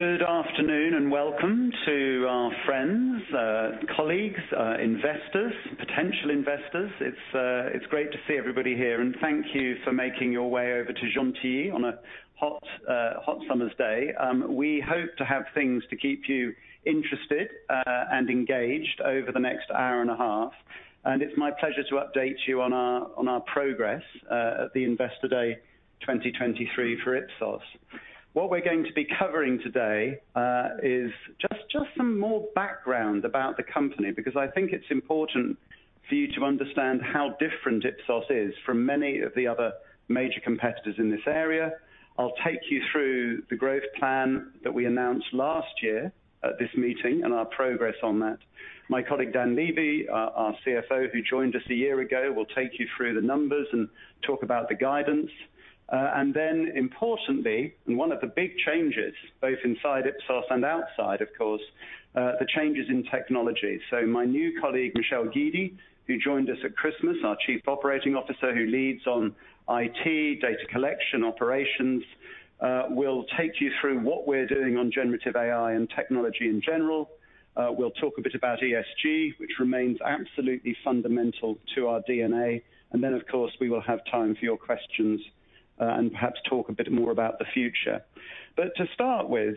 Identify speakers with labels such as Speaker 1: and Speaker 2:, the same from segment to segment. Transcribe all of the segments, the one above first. Speaker 1: Good afternoon, welcome to our friends, colleagues, investors, potential investors. It's great to see everybody here. Thank you for making your way over to Gentilly on a hot summer's day. We hope to have things to keep you interested and engaged over the next hour and a half. It's my pleasure to update you on our progress at the Investor Day 2023 for Ipsos. What we're going to be covering today is just some more background about the company, because I think it's important for you to understand how different Ipsos is from many of the other major competitors in this area. I'll take you through the growth plan that we announced last year at this meeting and our progress on that. My colleague, Dan Lévy, our CFO, who joined us a year ago, will take you through the numbers and talk about the guidance. Then importantly, and one of the big changes, both inside Ipsos and outside, of course, the changes in technology. My new colleague, Michel Guidi, who joined us at Christmas, our Chief Operating Officer, who leads on IT, data collection, operations, will take you through what we're doing on generative AI and technology in general. We'll talk a bit about ESG, which remains absolutely fundamental to our DNA, then, of course, we will have time for your questions, and perhaps talk a bit more about the future. To start with,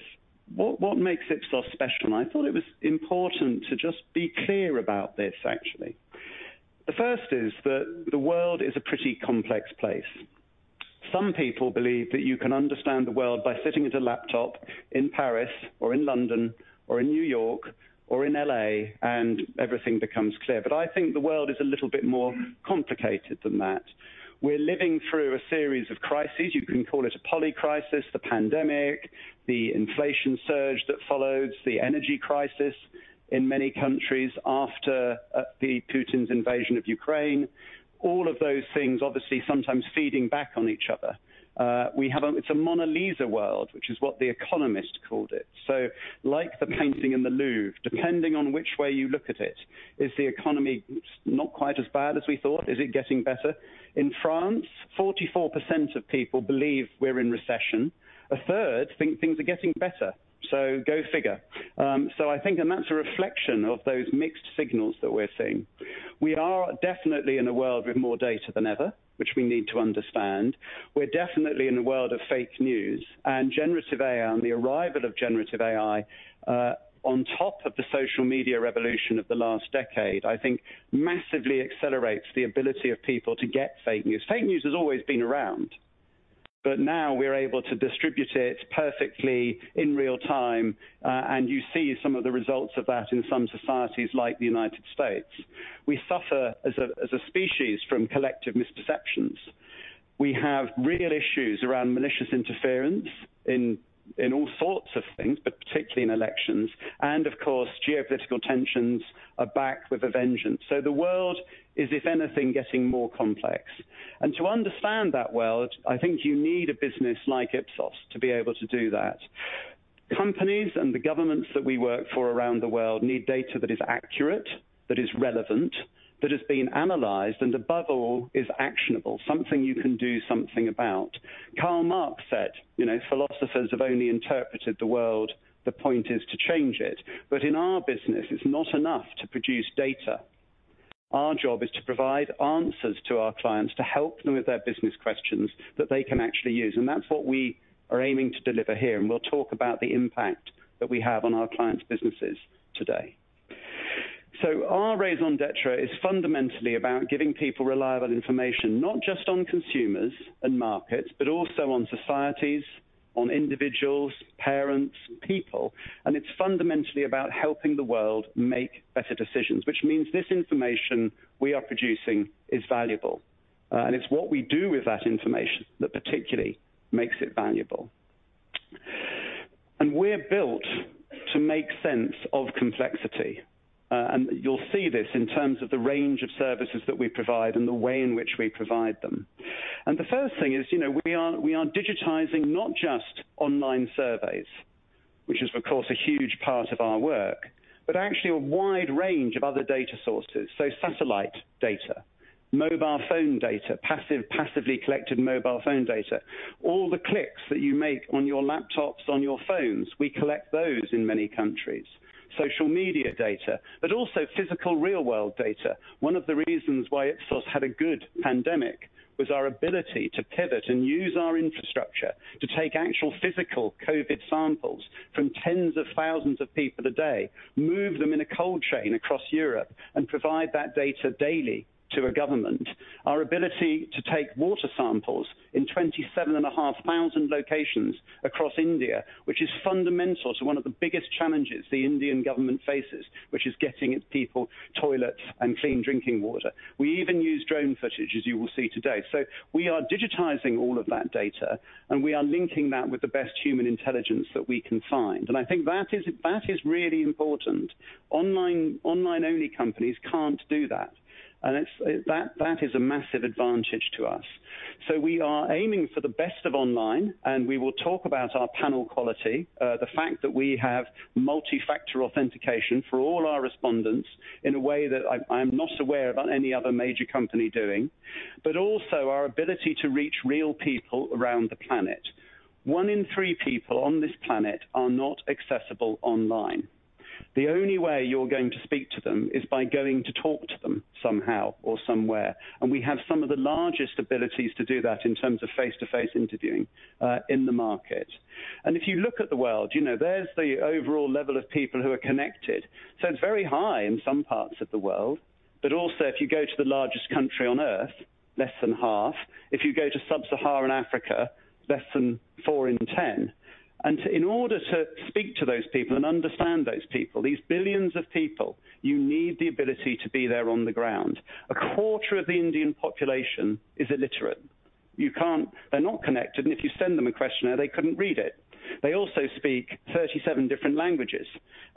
Speaker 1: what makes Ipsos special? I thought it was important to just be clear about this, actually. The first is that the world is a pretty complex place. Some people believe that you can understand the world by sitting at a laptop in Paris, or in London, or in New York, or in L.A., and everything becomes clear. I think the world is a little bit more complicated than that. We're living through a series of crises. You can call it a polycrisis, the pandemic, the inflation surge that follows, the energy crisis in many countries after the Putin's invasion of Ukraine. All of those things, obviously, sometimes feeding back on each other. It's a Mona Lisa world, which is what The Economist called it. Like the painting in the Louvre, depending on which way you look at it, is the economy not quite as bad as we thought? Is it getting better? In France, 44% of people believe we're in recession. A third think things are getting better, go figure. I think that's a reflection of those mixed signals that we're seeing. We are definitely in a world with more data than ever, which we need to understand. We're definitely in a world of fake news, and generative AI, and the arrival of generative AI on top of the social media revolution of the last decade, I think massively accelerates the ability of people to get fake news. Fake news has always been around, now we're able to distribute it perfectly in real time, you see some of the results of that in some societies like the United States. We suffer as a species from collective misperceptions. We have real issues around malicious interference in all sorts of things, but particularly in elections, and of course, geopolitical tensions are back with a vengeance. The world is, if anything, getting more complex. To understand that world, I think you need a business like Ipsos to be able to do that. Companies and the governments that we work for around the world need data that is accurate, that is relevant, that has been analyzed, and above all, is actionable, something you can do something about. Karl Marx said, you know, "Philosophers have only interpreted the world. The point is to change it." In our business, it's not enough to produce data. Our job is to provide answers to our clients to help them with their business questions that they can actually use. That's what we are aiming to deliver here, and we'll talk about the impact that we have on our clients' businesses today. Our raison d'être is fundamentally about giving people reliable information, not just on consumers and markets, but also on societies, on individuals, parents, people. It's fundamentally about helping the world make better decisions, which means this information we are producing is valuable, and it's what we do with that information that particularly makes it valuable. We're built to make sense of complexity, and you'll see this in terms of the range of services that we provide and the way in which we provide them. The first thing is, you know, we are digitizing not just online surveys, which is, of course, a huge part of our work, but actually a wide range of other data sources. Satellite data, mobile phone data, passively collected mobile phone data, all the clicks that you make on your laptops, on your phones, we collect those in many countries, social media data, also physical real-world data. One of the reasons why Ipsos had a good pandemic was our ability to pivot and use our infrastructure to take actual physical COVID samples from tens of thousands of people a day, move them in a cold chain across Europe, and provide that data daily to a government. Our ability to take water samples in 27,500 locations across India, which is fundamental to one of the biggest challenges the Indian government faces, which is getting its people toilets and clean drinking water. We even use drone footage, as you will see today. We are digitizing all of that data, and we are linking that with the best human intelligence that we can find. I think that is really important. Online, online-only companies can't do that, and that is a massive advantage to us. We are aiming for the best of online, We will talk about our panel quality, the fact that we have multi-factor authentication for all our respondents in a way that I'm not aware about any other major company doing, but also our ability to reach real people around the planet. One in three people on this planet are not accessible online. The only way you're going to speak to them is by going to talk to them somehow or somewhere, and we have some of the largest abilities to do that in terms of face-to-face interviewing, in the market. If you look at the world, you know, there's the overall level of people who are connected. It's very high in some parts of the world, but also, if you go to the largest country on earth, less than half. If you go to Sub-Saharan Africa, less than four in 10. In order to speak to those people and understand those people, these billions of people, you need the ability to be there on the ground. A quarter of the Indian population is illiterate. They're not connected, and if you send them a questionnaire, they couldn't read it. They also speak 37 different languages.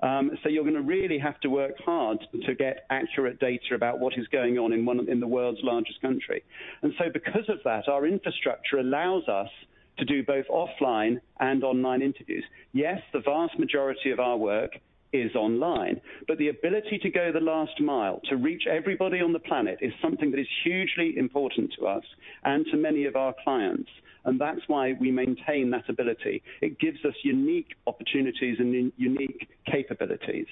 Speaker 1: You're gonna really have to work hard to get accurate data about what is going on in the world's largest country. Because of that, our infrastructure allows us to do both offline and online interviews. Yes, the vast majority of our work is online. The ability to go the last mile, to reach everybody on the planet, is something that is hugely important to us and to many of our clients. That's why we maintain that ability. It gives us unique opportunities and unique capabilities.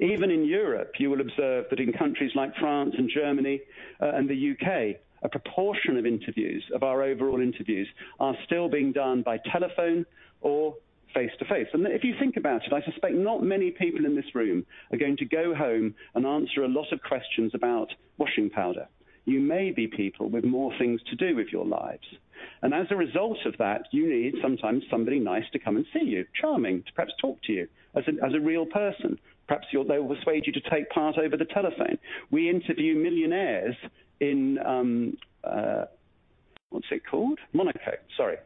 Speaker 1: Even in Europe, you will observe that in countries like France and Germany, and the U.K., a proportion of interviews, of our overall interviews, are still being done by telephone or face-to-face. If you think about it, I suspect not many people in this room are going to go home and answer a lot of questions about washing powder. You may be people with more things to do with your lives. As a result of that, you need sometimes somebody nice to come and see you, charming, to perhaps talk to you as a, as a real person. Perhaps they will persuade you to take part over the telephone. We interview millionaires in, what's it called? Monaco, sorry,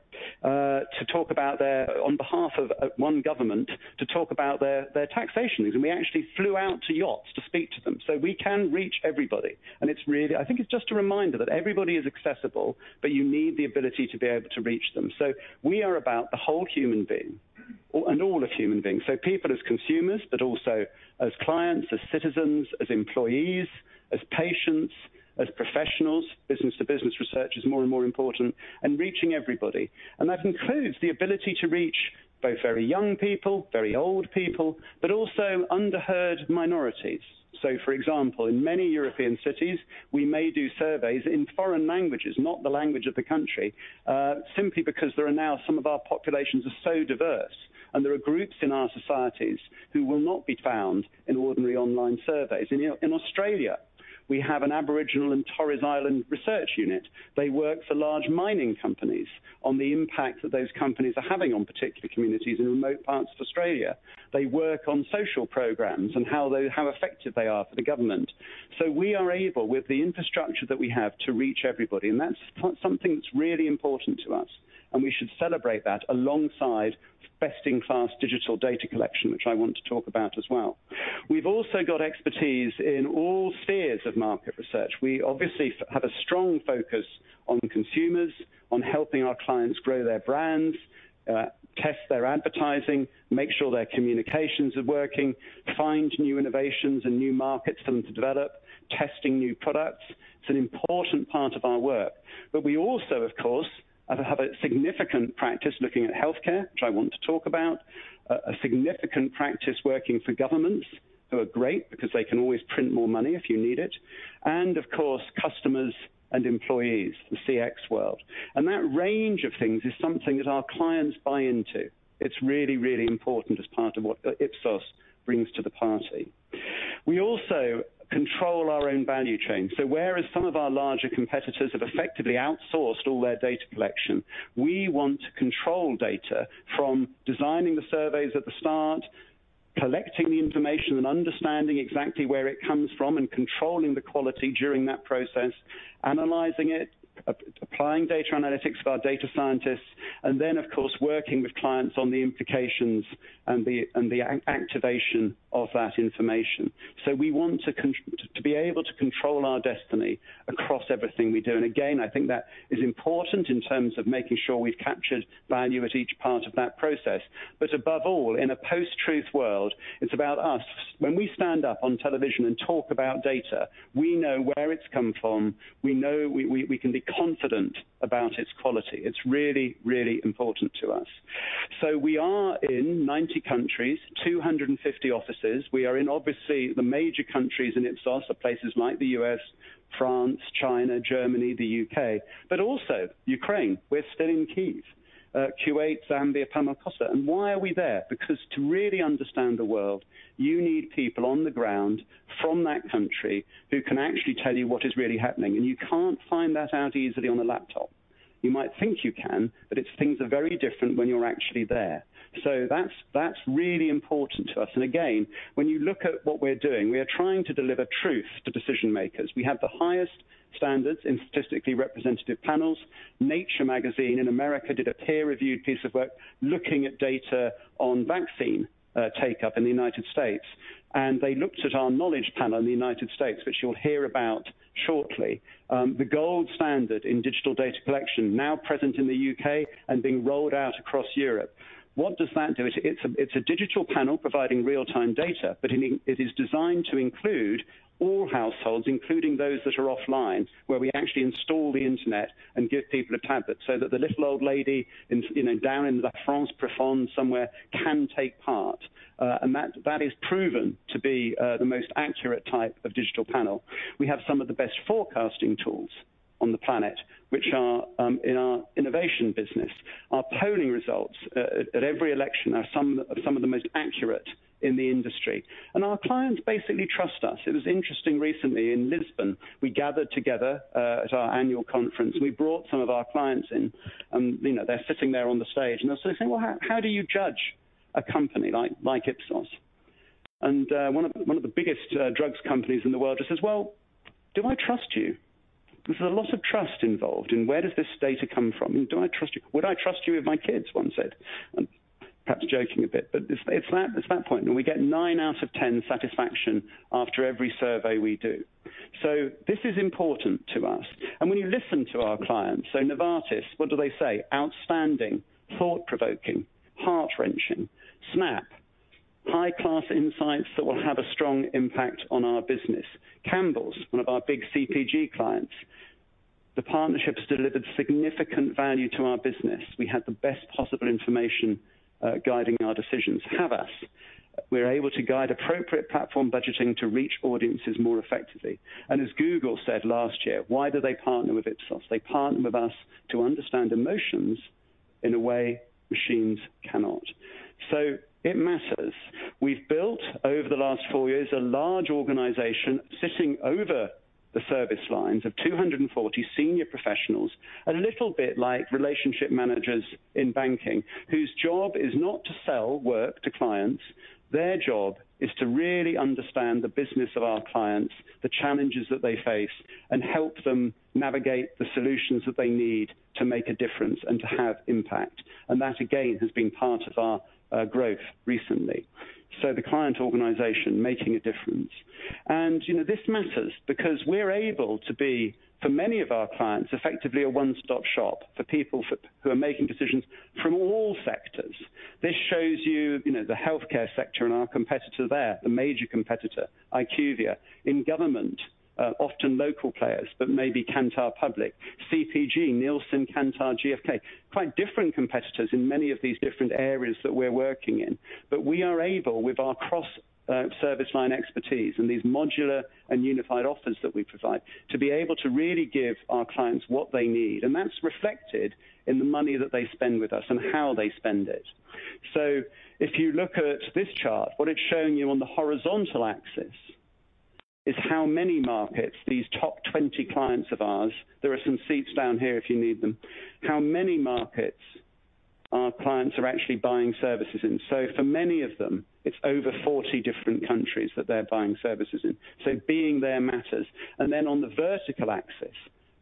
Speaker 1: to talk about their on behalf of one government, to talk about their taxations. We actually flew out to yachts to speak to them. We can reach everybody. It's really... I think it's just a reminder that everybody is accessible, but you need the ability to be able to reach them. We are about the whole human being or, and all of human beings. People as consumers, but also as clients, as citizens, as employees, as patients, as professionals. Business-to-business research is more and more important and reaching everybody, and that includes the ability to reach both very young people, very old people, but also underheard minorities. For example, in many European cities, we may do surveys in foreign languages, not the language of the country, simply because there are now some of our populations are so diverse, and there are groups in our societies who will not be found in ordinary online surveys. You know, in Australia, we have an Aboriginal and Torres Strait Islander Research Unit. They work for large mining companies on the impact that those companies are having on particular communities in remote parts of Australia. They work on social programs and how effective they are for the government. We are able, with the infrastructure that we have, to reach everybody, and that's something that's really important to us, and we should celebrate that alongside best-in-class digital data collection, which I want to talk about as well. We've also got expertise in all spheres of market research. We obviously have a strong focus on consumers, on helping our clients grow their brands, test their advertising, make sure their communications are working, find new innovations and new markets for them to develop, testing new products. It's an important part of our work. We also, of course, have a significant practice looking at healthcare, which I want to talk about. A significant practice working for governments, who are great because they can always print more money if you need it, and of course, customers and employees, the CX world. That range of things is something that our clients buy into. It's really, really important as part of what Ipsos brings to the party. We also control our own value chain. Whereas some of our larger competitors have effectively outsourced all their data collection, we want to control data from designing the surveys at the start, collecting the information and understanding exactly where it comes from, and controlling the quality during that process, analyzing it, applying data analytics of our data scientists, and then, of course, working with clients on the implications and the activation of that information. We want to be able to control our destiny across everything we do. Again, I think that is important in terms of making sure we've captured value at each part of that process. Above all, in a post-truth world, it's about us. When we stand up on television and talk about data, we know where it's come from. We know we can be confident about its quality. It's really, really important to us. We are in 90 countries, 250 offices. We are in, obviously, the major countries in Ipsos, so places like the U.S., France, China, Germany, the U.K., but also Ukraine. We're still in Kyiv, Kuwait, Zambia, Panama, Costa Rica. Why are we there? To really understand the world, you need people on the ground from that country who can actually tell you what is really happening, and you can't find that out easily on a laptop. You might think you can, but things are very different when you're actually there. That's really important to us. Again, when you look at what we're doing, we are trying to deliver truth to decision-makers. We have the highest standards in statistically representative panels. Nature magazine in America did a peer-reviewed piece of work looking at data on vaccine take-up in the United States, and they looked at our KnowledgePanel in the United States, which you'll hear about shortly. The gold standard in digital data collection, now present in the U.K. and being rolled out across Europe. What does that do? It's a digital panel providing real-time data, but it is designed to include all households, including those that are offline, where we actually install the internet and give people a tablet so that the little old lady in, you know, down in the France profonde somewhere can take part, and that is proven to be the most accurate type of digital panel. We have some of the best forecasting tools on the planet, which are in our innovation business. Our polling results at every election are some of the most accurate in the industry, and our clients basically trust us. It was interesting recently in Lisbon, we gathered together at our annual conference. We brought some of our clients in. You know, they're sitting there on the stage, and they're saying, "Well, how do you judge a company like Ipsos?" One of the biggest drugs companies in the world just says, "Well, do I trust you?" There's a lot of trust involved. Where does this data come from? Do I trust you? "Would I trust you with my kids?" one said, perhaps joking a bit, but it's that point. We get nine out of 10 satisfaction after every survey we do. This is important to us. When you listen to our clients, Novartis, what do they say? Outstanding, thought-provoking, heart-wrenching." Snap, "High-class insights that will have a strong impact on our business." Campbell's, one of our big CPG clients, "The partnerships delivered significant value to our business. We had the best possible information, guiding our decisions." Havas, "We're able to guide appropriate platform budgeting to reach audiences more effectively." As Google said last year, why do they partner with Ipsos? They partner with us to understand emotions in a way machines cannot. It matters. We've built, over the last four years, a large organization sitting over the service lines of 240 senior professionals, a little bit like relationship managers in banking, whose job is not to sell work to clients. Their job is to really understand the business of our clients, the challenges that they face, and help them navigate the solutions that they need to make a difference and to have impact. That, again, has been part of our growth recently. The client organization making a difference. You know, this matters because we're able to be, for many of our clients, effectively a one-stop shop for people who are making decisions from all sectors. This shows you know, the healthcare sector and our competitor there, the major competitor, IQVIA. In government, often local players, but maybe Kantar Public. CPG, Nielsen, Kantar, GfK. Quite different competitors in many of these different areas that we're working in. We are able, with our cross, service line expertise and these modular and unified offers that we provide, to be able to really give our clients what they need, and that's reflected in the money that they spend with us and how they spend it. If you look at this chart, what it's showing you on the horizontal axis is how many markets these top 20 clients of ours... There are some seats down here if you need them. How many markets our clients are actually buying services in. For many of them, it's over 40 different countries that they're buying services in. Being there matters. On the vertical axis,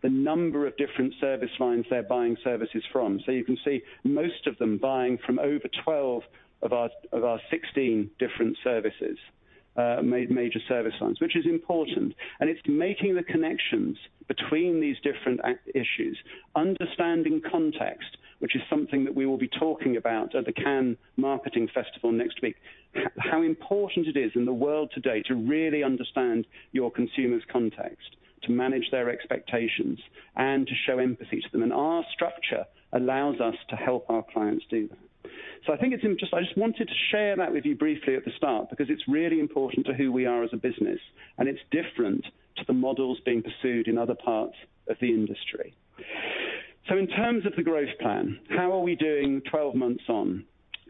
Speaker 1: the number of different service lines they're buying services from. You can see most of them buying from over 12 of our 16 different services, major service lines, which is important. It's making the connections between these different act issues, understanding context, which is something that we will be talking about at the Cannes Marketing Festival next week. How important it is in the world today to really understand your consumer's context, to manage their expectations, and to show empathy to them. Our structure allows us to help our clients do that. I think it's I just wanted to share that with you briefly at the start because it's really important to who we are as a business, and it's different to the models being pursued in other parts of the industry. In terms of the growth plan, how are we doing 12 months on?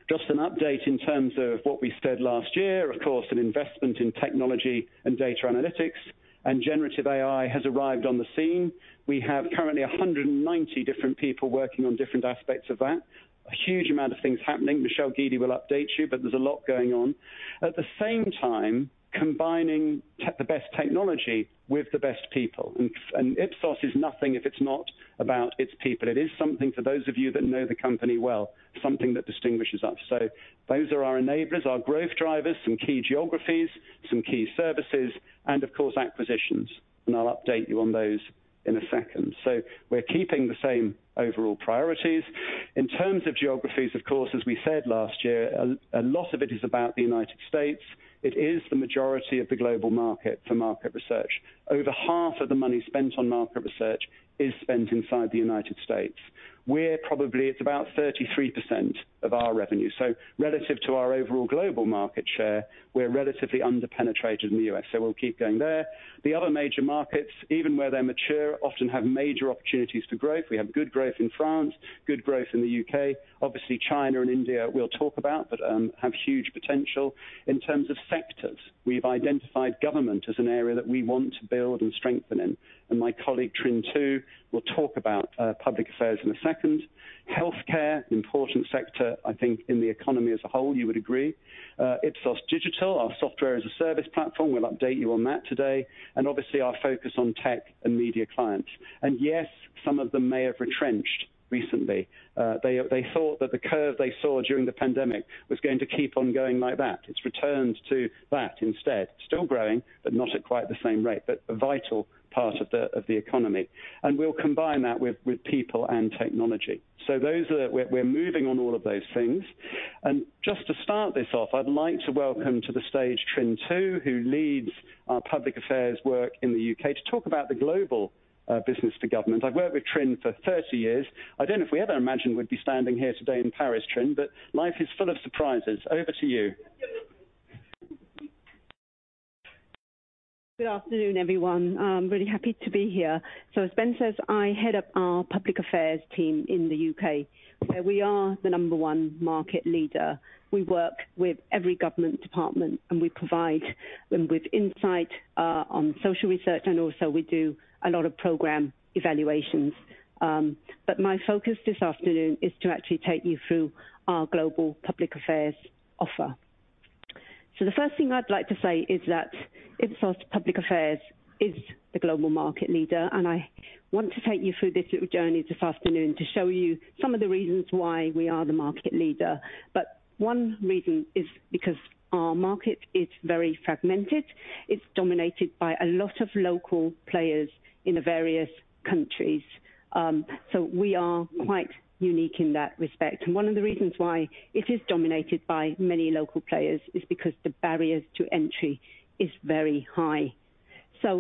Speaker 1: Just an update in terms of what we said last year. Of course, an investment in technology and data analytics and generative AI has arrived on the scene. We have currently 190 different people working on different aspects of that. A huge amount of things happening. Michel Guidi will update you, but there's a lot going on. At the same time, combining the best technology with the best people, and Ipsos is nothing if it's not about its people. It is something, for those of you that know the company well, something that distinguishes us. Those are our enablers, our growth drivers, some key geographies, some key services, and of course, acquisitions. I'll update you on those in a second. We're keeping the same overall priorities. In terms of geographies, of course, as we said last year, a lot of it is about the United States. It is the majority of the global market for market research. Over half of the money spent on market research is spent inside the United States, where probably it's about 33% of our revenue. Relative to our overall global market share, we're relatively under penetrated in the U.S., so we'll keep going there. The other major markets, even where they're mature, often have major opportunities to grow. We have good growth in France, good growth in the U.K. Obviously, China and India, we'll talk about, have huge potential. In terms of sectors, we've identified government as an area that we want to build and strengthen in, and my colleague, Trinh Tu, will talk about Public Affairs in a second. Healthcare, important sector, I think, in the economy as a whole, you would agree. Ipsos.Digital, our SaaS platform, we'll update you on that today, obviously, our focus on tech and media clients. Yes, some of them may have retrenched recently. They thought that the curve they saw during the pandemic was going to keep on going like that. It's returned to that instead, still growing, but not at quite the same rate, but a vital part of the economy. We'll combine that with people and technology. Those are. We're moving on all of those things. Just to start this off, I'd like to welcome to the stage, Trinh Tu, who leads our Public Affairs work in the U.K., to talk about the global business to government. I've worked with Trinh for 30 years. I don't know if we ever imagined we'd be standing here today in Paris, Trinh Tu, but life is full of surprises. Over to you.
Speaker 2: Good afternoon, everyone. I'm really happy to be here. As Ben says, I head up our Public Affairs team in the UK, where we are the number one market leader. We work with every government department, and we provide them with insight, on social research, and also we do a lot of program evaluations. My focus this afternoon is to actually take you through our global Public Affairs offer. The first thing I'd like to say is that Ipsos Public Affairs is the global market leader, and I want to take you through this little journey this afternoon to show you some of the reasons why we are the market leader. One reason is because our market is very fragmented. It's dominated by a lot of local players in the various countries. We are quite unique in that respect, one of the reasons why it is dominated by many local players is because the barriers to entry is very high.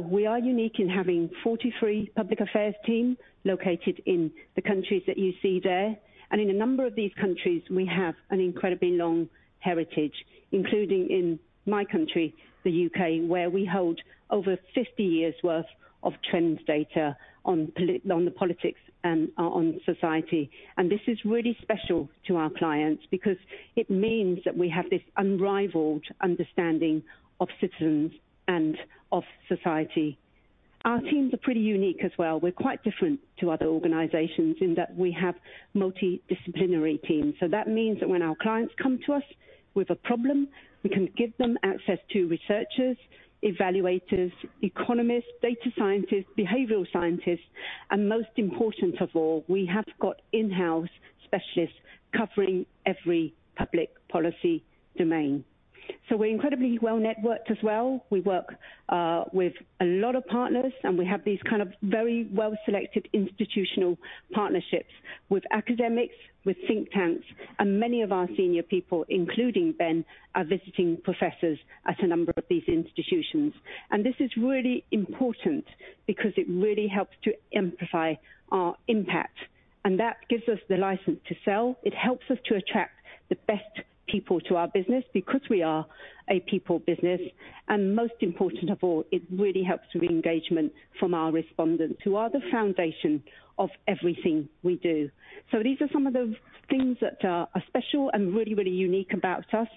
Speaker 2: We are unique in having 43 Public Affairs team located in the countries that you see there, in a number of these countries, we have an incredibly long heritage, including in my country, the U.K., where we hold over 50 years' worth of trends data on the politics and on society. This is really special to our clients because it means that we have this unrivaled understanding of citizens and of society. Our teams are pretty unique as well. We're quite different to other organizations in that we have multidisciplinary teams. That means that when our clients come to us with a problem, we can give them access to researchers, evaluators, economists, data scientists, behavioral scientists, and most important of all, we have got in-house specialists covering every public policy domain. We're incredibly well-networked as well. We work with a lot of partners, and we have these kind of very well-selected institutional partnerships with academics, with think tanks, and many of our senior people, including Ben, are visiting professors at a number of these institutions. This is really important because it really helps to amplify our impact, and that gives us the license to sell. It helps us to attract the best people to our business because we are a people business, and most important of all, it really helps with engagement from our respondents, who are the foundation of everything we do. These are some of the things that are special and really unique about us.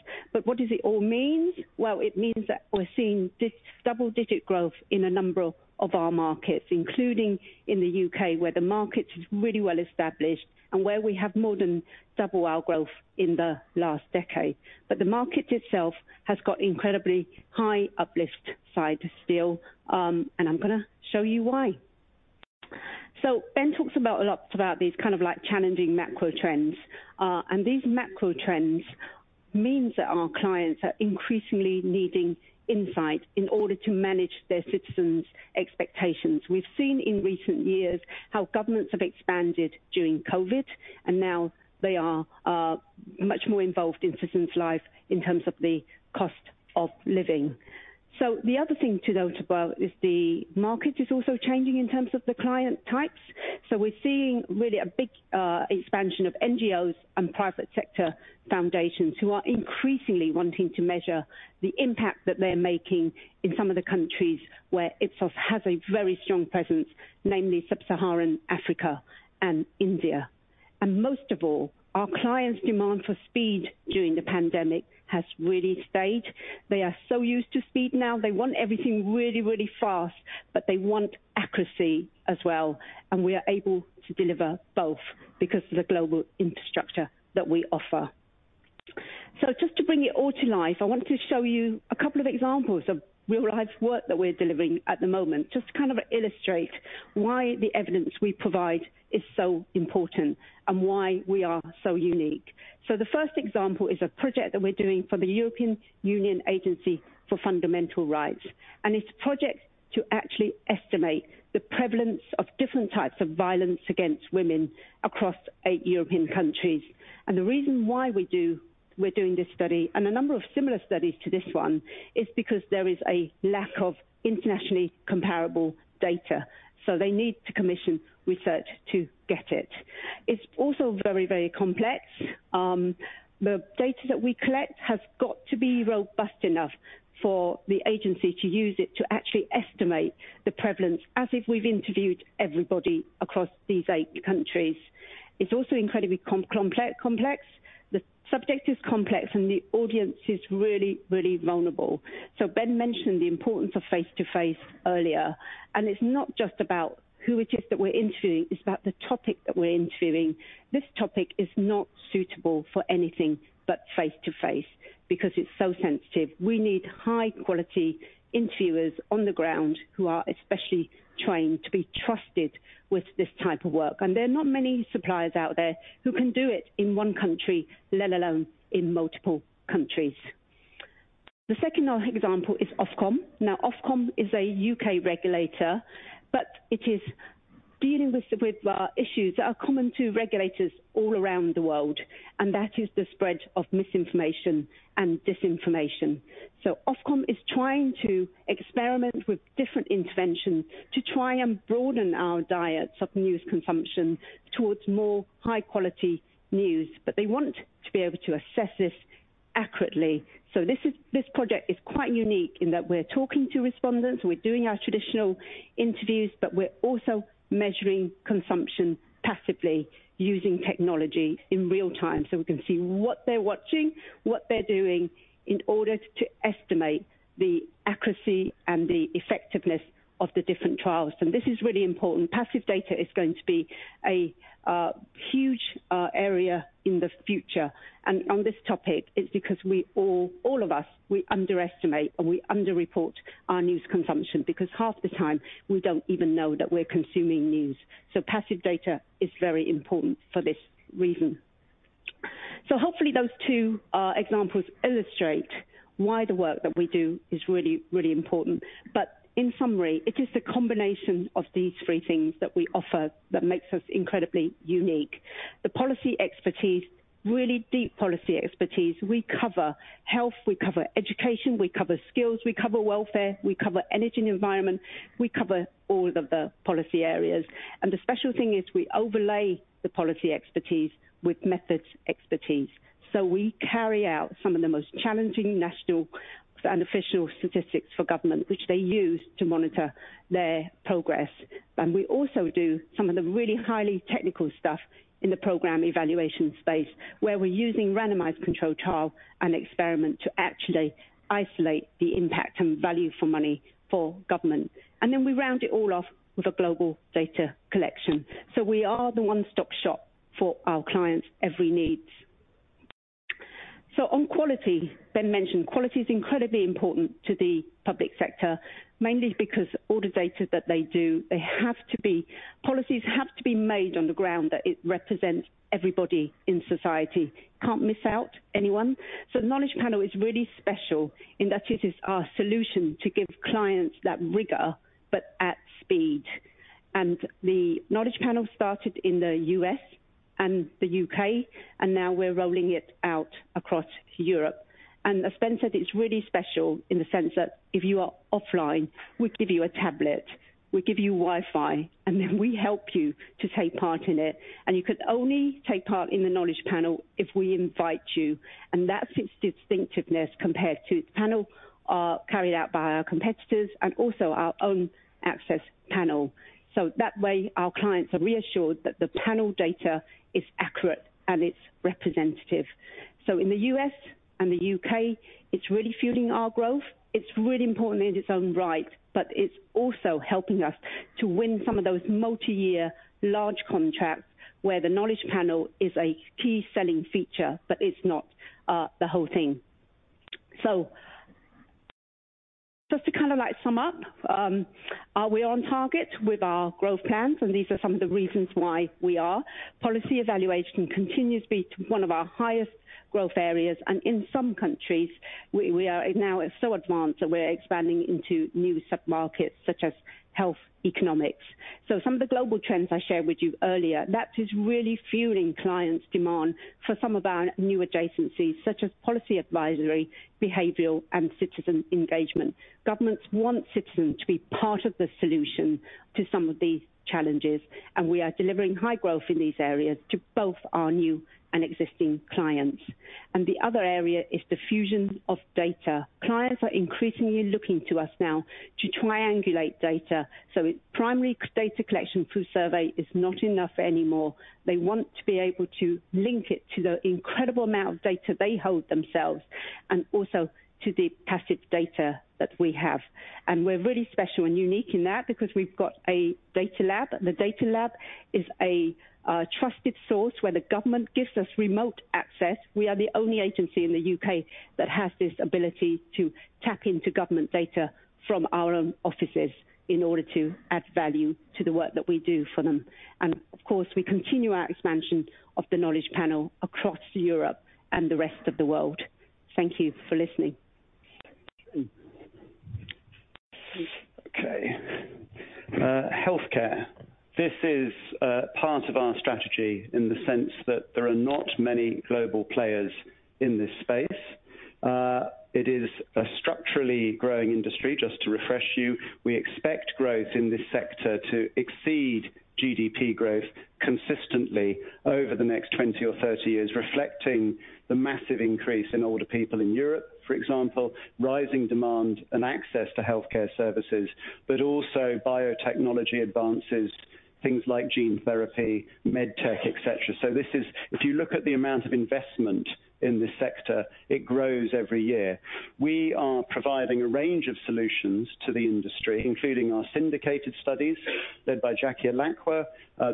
Speaker 2: What does it all mean? It means that we're seeing this double-digit growth in a number of our markets, including in the U.K., where the market is really well established and where we have more than double our growth in the last decade. The market itself has got incredibly high uplift side still, and I'm going to show you why. Ben talks a lot about these kind of like challenging macro trends. These macro trends means that our clients are increasingly needing insight in order to manage their citizens' expectations. We've seen in recent years how governments have expanded during COVID, and now they are much more involved in citizens' life in terms of the cost of living. The other thing to note about is the market is also changing in terms of the client types. We're seeing really a big expansion of NGOs and private sector foundations who are increasingly wanting to measure the impact that they're making in some of the countries where Ipsos has a very strong presence, namely Sub-Saharan Africa and India. Most of all, our clients' demand for speed during the pandemic has really stayed. They are so used to speed now. They want everything really, really fast, but they want accuracy as well, and we are able to deliver both because of the global infrastructure that we offer. Just to bring it all to life, I want to show you a couple of examples of real-life work that we're delivering at the moment, just to kind of illustrate why the evidence we provide is so important and why we are so unique. The first example is a project that we're doing for the European Union Agency for Fundamental Rights, and it's a project to actually estimate the prevalence of different types of violence against women across eight European countries. The reason why we're doing this study, and a number of similar studies to this one, is because there is a lack of internationally comparable data, so they need to commission research to get it. It's also very, very complex. The data that we collect has got to be robust enough for the agency to use it to actually estimate the prevalence, as if we've interviewed everybody across these eight countries. It's also incredibly complex. The subject is complex, and the audience is really, really vulnerable. Ben mentioned the importance of face-to-face earlier. It's not just about who it is that we're interviewing, it's about the topic that we're interviewing. This topic is not suitable for anything but face-to-face because it's so sensitive. We need high-quality interviewers on the ground who are especially trained to be trusted with this type of work. There are not many suppliers out there who can do it in one country, let alone in multiple countries. The second example is Ofcom. Ofcom is a U.K. regulator, but it is dealing with issues that are common to regulators all around the world, and that is the spread of misinformation and disinformation. Ofcom is trying to experiment with different interventions to try and broaden our diets of news consumption towards more high-quality news, but they want to be able to assess this accurately. This is, this project is quite unique in that we're talking to respondents, we're doing our traditional interviews, but we're also measuring consumption passively using technology in real time. We can see what they're watching, what they're doing, in order to estimate the accuracy and the effectiveness of the different trials, and this is really important. Passive data is going to be a huge area in the future. On this topic, it's because all of us, we underestimate, and we underreport our news consumption, because half the time, we don't even know that we're consuming news. Passive data is very important for this reason. Hopefully, those two examples illustrate why the work that we do is really, really important. In summary, it is the combination of these three things that we offer that makes us incredibly unique. The policy expertise, really deep policy expertise. We cover health, we cover education, we cover skills, we cover welfare, we cover energy and environment, we cover all of the policy areas, and the special thing is we overlay the policy expertise with methods expertise. We carry out some of the most challenging national and official statistics for government, which they use to monitor their progress. We also do some of the really highly technical stuff in the program evaluation space, where we're using randomized controlled trial and experiment to actually isolate the impact and value for money for government. Then we round it all off with a global data collection. We are the one-stop shop for our clients' every needs. On quality, Ben mentioned, quality is incredibly important to the public sector, mainly because all the data that they do, policies have to be made on the ground, that it represents everybody in society. Can't miss out anyone. The KnowledgePanel is really special in that it is our solution to give clients that rigor, but at speed. The KnowledgePanel started in the U.S. and the U.K., and now we're rolling it out across Europe. As Ben said, it's really special in the sense that if you are offline, we give you a tablet, we give you Wi-Fi, and then we help you to take part in it. you could only take part in the KnowledgePanel if we invite you, and that's its distinctiveness compared to panel, carried out by our competitors and also our own access panel. That way, our clients are reassured that the panel data is accurate and it's representative. In the U.S. and the U.K., it's really fueling our growth. It's really important in its own right, but it's also helping us to win some of those multi-year large contracts where the KnowledgePanel is a key selling feature, but it's not, the whole thing. Just to kind of like sum up, are we on target with our growth plans? These are some of the reasons why we are. Policy evaluation continues to be one of our highest growth areas, and in some countries, we are now so advanced that we're expanding into new submarkets, such as health economics. Some of the global trends I shared with you earlier, that is really fueling clients' demand for some of our new adjacencies, such as policy advisory, behavioral, and citizen engagement. Governments want citizens to be part of the solution to some of these challenges, and we are delivering high growth in these areas to both our new and existing clients. The other area is the fusion of data. Clients are increasingly looking to us now to triangulate data, so its primary data collection through survey is not enough anymore. They want to be able to link it to the incredible amount of data they hold themselves and also to the passive data that we have. We're really special and unique in that because we've got a data lab. The data lab is a trusted source where the government gives us remote access. We are the only agency in the U.K. that has this ability to tap into government data from our own offices in order to add value to the work that we do for them. Of course, we continue our expansion of the KnowledgePanel across Europe and the rest of the world. Thank you for listening.
Speaker 1: Okay. Healthcare. This is part of our strategy in the sense that there are not many global players in this space. It is a structurally growing industry. Just to refresh you, we expect growth in this sector to exceed GDP growth consistently over the next 20 or 30 years, reflecting the massive increase in older people in Europe, for example, rising demand and access to healthcare services, but also biotechnology advances, things like gene therapy, med tech, et cetera. If you look at the amount of investment in this sector, it grows every year. We are providing a range of solutions to the industry, including our syndicated studies, led by Jackie Ilacqua.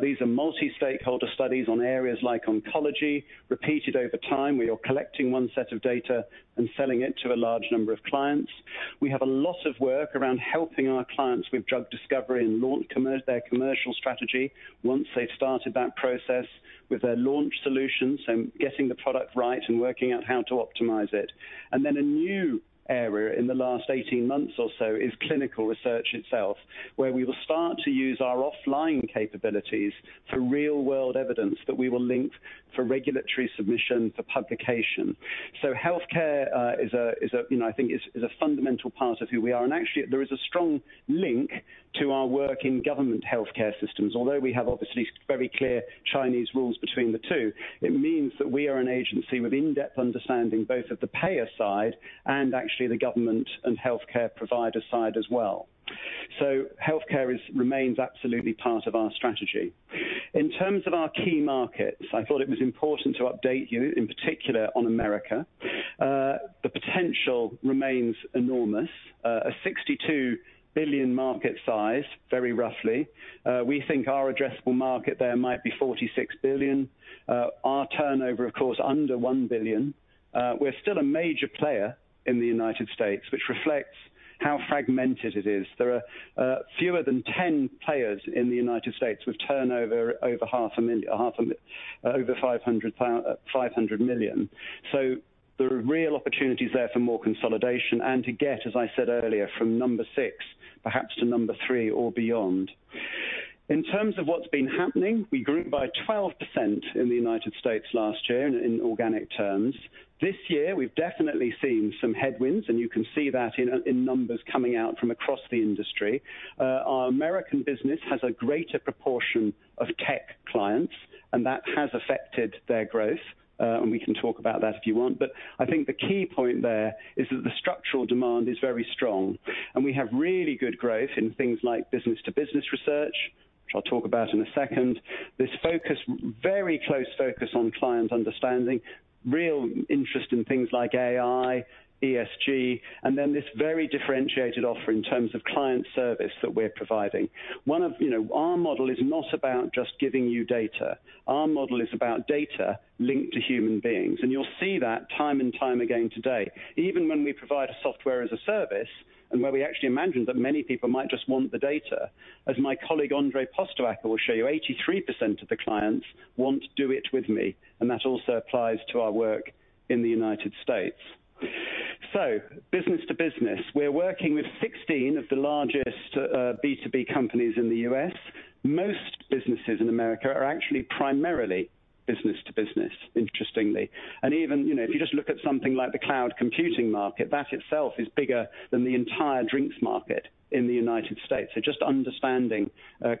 Speaker 1: These are multi-stakeholder studies on areas like oncology, repeated over time, where you're collecting one set of data and selling it to a large number of clients. We have a lot of work around helping our clients with drug discovery and launch their commercial strategy once they've started that process with their launch solutions and getting the product right and working out how to optimize it. Then a new area in the last 18 months or so is clinical research itself, where we will start to use our offline capabilities for real-world evidence that we will link for regulatory submission for publication. Healthcare, you know, I think is a fundamental part of who we are. Actually, there is a strong link to our work in government healthcare systems. Although we have obviously very clear Chinese walls between the two, it means that we are an agency with in-depth understanding, both of the payer side and actually the government and healthcare provider side as well. Healthcare remains absolutely part of our strategy. In terms of our key markets, I thought it was important to update you, in particular, on America. The potential remains enormous, a $62 billion market size, very roughly. We think our addressable market there might be $46 billion. Our turnover, of course, under $1 billion. We're still a major player in the United States, which reflects how fragmented it is. There are fewer than 10 players in the United States with turnover over half a million, over $500 million. There are real opportunities there for more consolidation and to get, as I said earlier, from number six, perhaps to number three or beyond. In terms of what's been happening, we grew by 12% in the United States last year in organic terms. This year, we've definitely seen some headwinds. You can see that in numbers coming out from across the industry. Our American business has a greater proportion of tech clients. That has affected their growth. We can talk about that if you want. I think the key point there is that the structural demand is very strong, and we have really good growth in things like business-to-business research, which I'll talk about in a second. This very close focus on client understanding, real interest in things like AI, ESG, this very differentiated offer in terms of client service that we're providing. You know, our model is not about just giving you data. Our model is about data linked to human beings. You'll see that time and time again today. Even when we provide a SaaS, and where we actually imagine that many people might just want the data, as my colleague, Andrei Postoaca, will show you, 83% of the clients want do it with me, and that also applies to our work in the United States. Business-to-business. We're working with 16 of the largest B2B companies in the U.S. Most businesses in America are actually primarily business-to-business, interestingly. Even, you know, if you just look at something like the cloud computing market, that itself is bigger than the entire drinks market in the United States. Just understanding,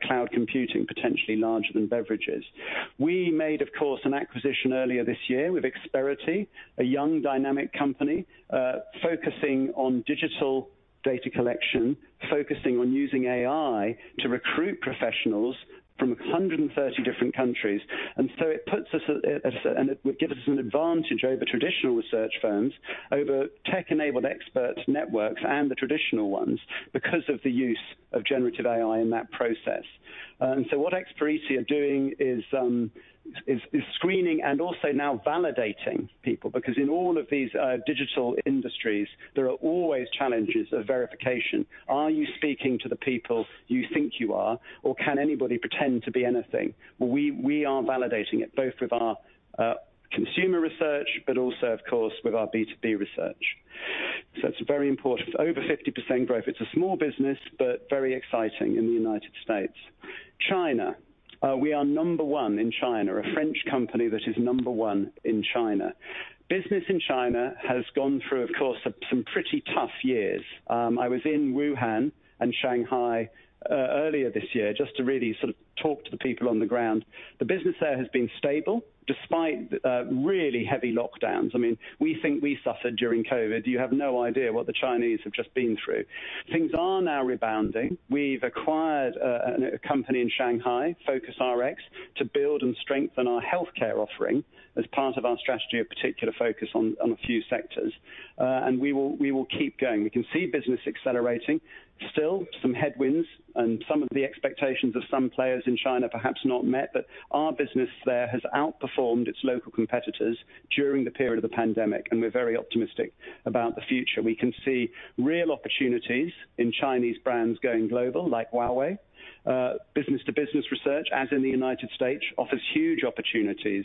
Speaker 1: cloud computing, potentially larger than beverages. We made, of course, an acquisition earlier this year with Xperiti, a young dynamic company, focusing on digital data collection, focusing on using AI to recruit professionals from 130 different countries. It puts us at a and it gives us an advantage over traditional research firms, over tech-enabled experts, networks, and the traditional ones, because of the use of generative AI in that process. What Xperiti are doing is screening and also now validating people, because in all of these digital industries, there are always challenges of verification. Are you speaking to the people you think you are, or can anybody pretend to be anything? We are validating it, both with our consumer research, but also, of course, with our B2B research. It's very important. Over 50% growth. It's a small business, but very exciting in the United States, China. We are number one in China, a French company that is number one in China. Business in China has gone through, of course, some pretty tough years. I was in Wuhan and Shanghai, earlier this year, just to really sort of talk to the people on the ground. The business there has been stable, despite really heavy lockdowns. I mean, we think we suffered during COVID. You have no idea what the Chinese have just been through. Things are now rebounding. We've acquired a company in Shanghai, Focus RX, to build and strengthen our healthcare offering as part of our strategy, a particular focus on a few sectors. We will keep going. We can see business accelerating. Still, some headwinds and some of the expectations of some players in China perhaps not met, but our business there has outperformed its local competitors during the period of the pandemic. We're very optimistic about the future. We can see real opportunities in Chinese brands going global, like Huawei. B2B research, as in the United States, offers huge opportunities.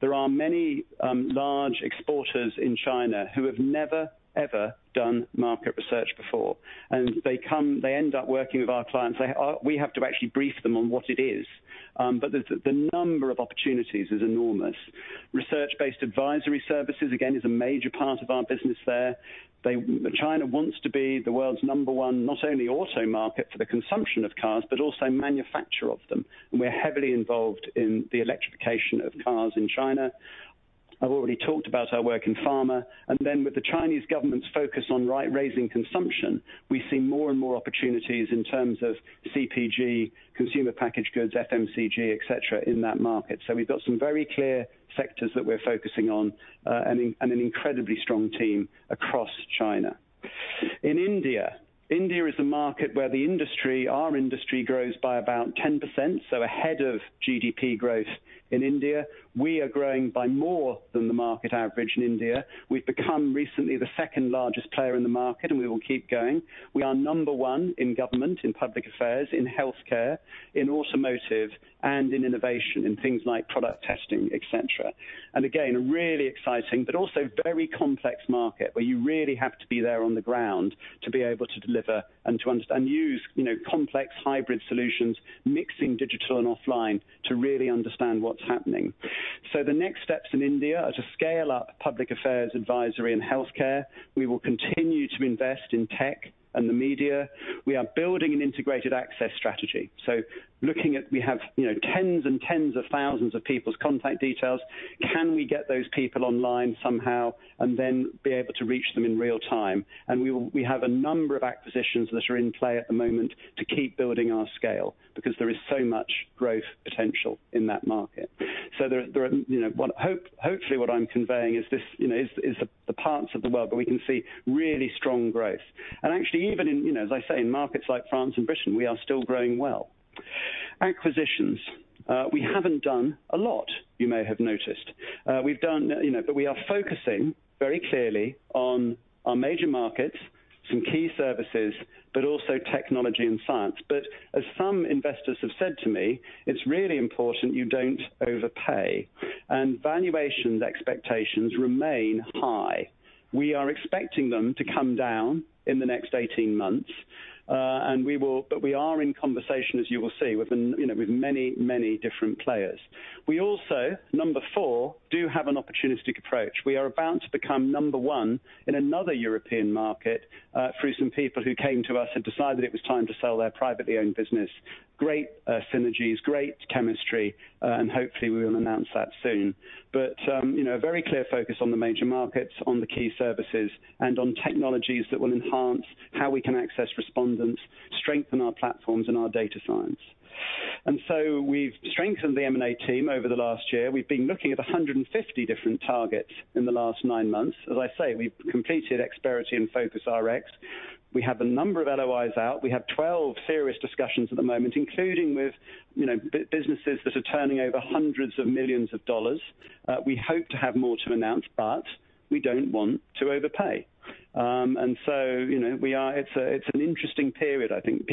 Speaker 1: There are many large exporters in China who have never, ever done market research before, and they end up working with our clients. We have to actually brief them on what it is, but the number of opportunities is enormous. Research-based advisory services, again, is a major part of our business there. China wants to be the world's number one, not only auto market for the consumption of cars, but also manufacturer of them. We're heavily involved in the electrification of cars in China. I've already talked about our work in pharma. Then with the Chinese government's focus on right raising consumption, we see more and more opportunities in terms of CPG, consumer packaged goods, FMCG, et cetera, in that market. We've got some very clear sectors that we're focusing on and an incredibly strong team across China. In India is a market where the industry, our industry, grows by about 10%. Ahead of GDP growth in India. We are growing by more than the market average in India. We've become recently the second-largest player in the market. We will keep going. We are number one in government, in Public Affairs, in healthcare, in automotive, and in innovation, in things like product testing, et cetera. Again, a really exciting but also very complex market, where you really have to be there on the ground to be able to deliver and to use, you know, complex hybrid solutions, mixing digital and offline, to really understand what's happening. The next steps in India is to scale up Public Affairs, advisory and healthcare. We will continue to invest in tech and the media. We are building an integrated access strategy. Looking at, we have, you know, tens of thousands of people's contact details. Can we get those people online somehow and then be able to reach them in real time? We have a number of acquisitions that are in play at the moment to keep building our scale because there is so much growth potential in that market. There are, you know, what, hopefully, what I'm conveying is this, you know, is the parts of the world where we can see really strong growth. Actually, even in, you know, as I say, in markets like France and Britain, we are still growing well. Acquisitions, we haven't done a lot, you may have noticed. We've done, you know, but we are focusing very clearly on our major markets, some key services, but also technology and science. As some investors have said to me, it's really important you don't overpay, and valuations expectations remain high. We are expecting them to come down in the next 18 months. We are in conversation, as you will see, with the, you know, with many, many different players. We also, number four, do have an opportunistic approach. We are about to become number one in another European market through some people who came to us and decided it was time to sell their privately owned business. Great synergies, great chemistry, hopefully, we will announce that soon. You know, a very clear focus on the major markets, on the key services, and on technologies that will enhance how we can access respondents, strengthen our platforms and our data science. We've strengthened the M&A team over the last year. We've been looking at 150 different targets in the last nine months. As I say, we've completed Xperiti and FocusRx. We have a number of LOIs out. We have 12 serious discussions at the moment, including with, you know, businesses that are turning over hundreds of millions of dollars. We hope to have more to announce, we don't want to overpay. You know, it's a, it's an interesting period, I think.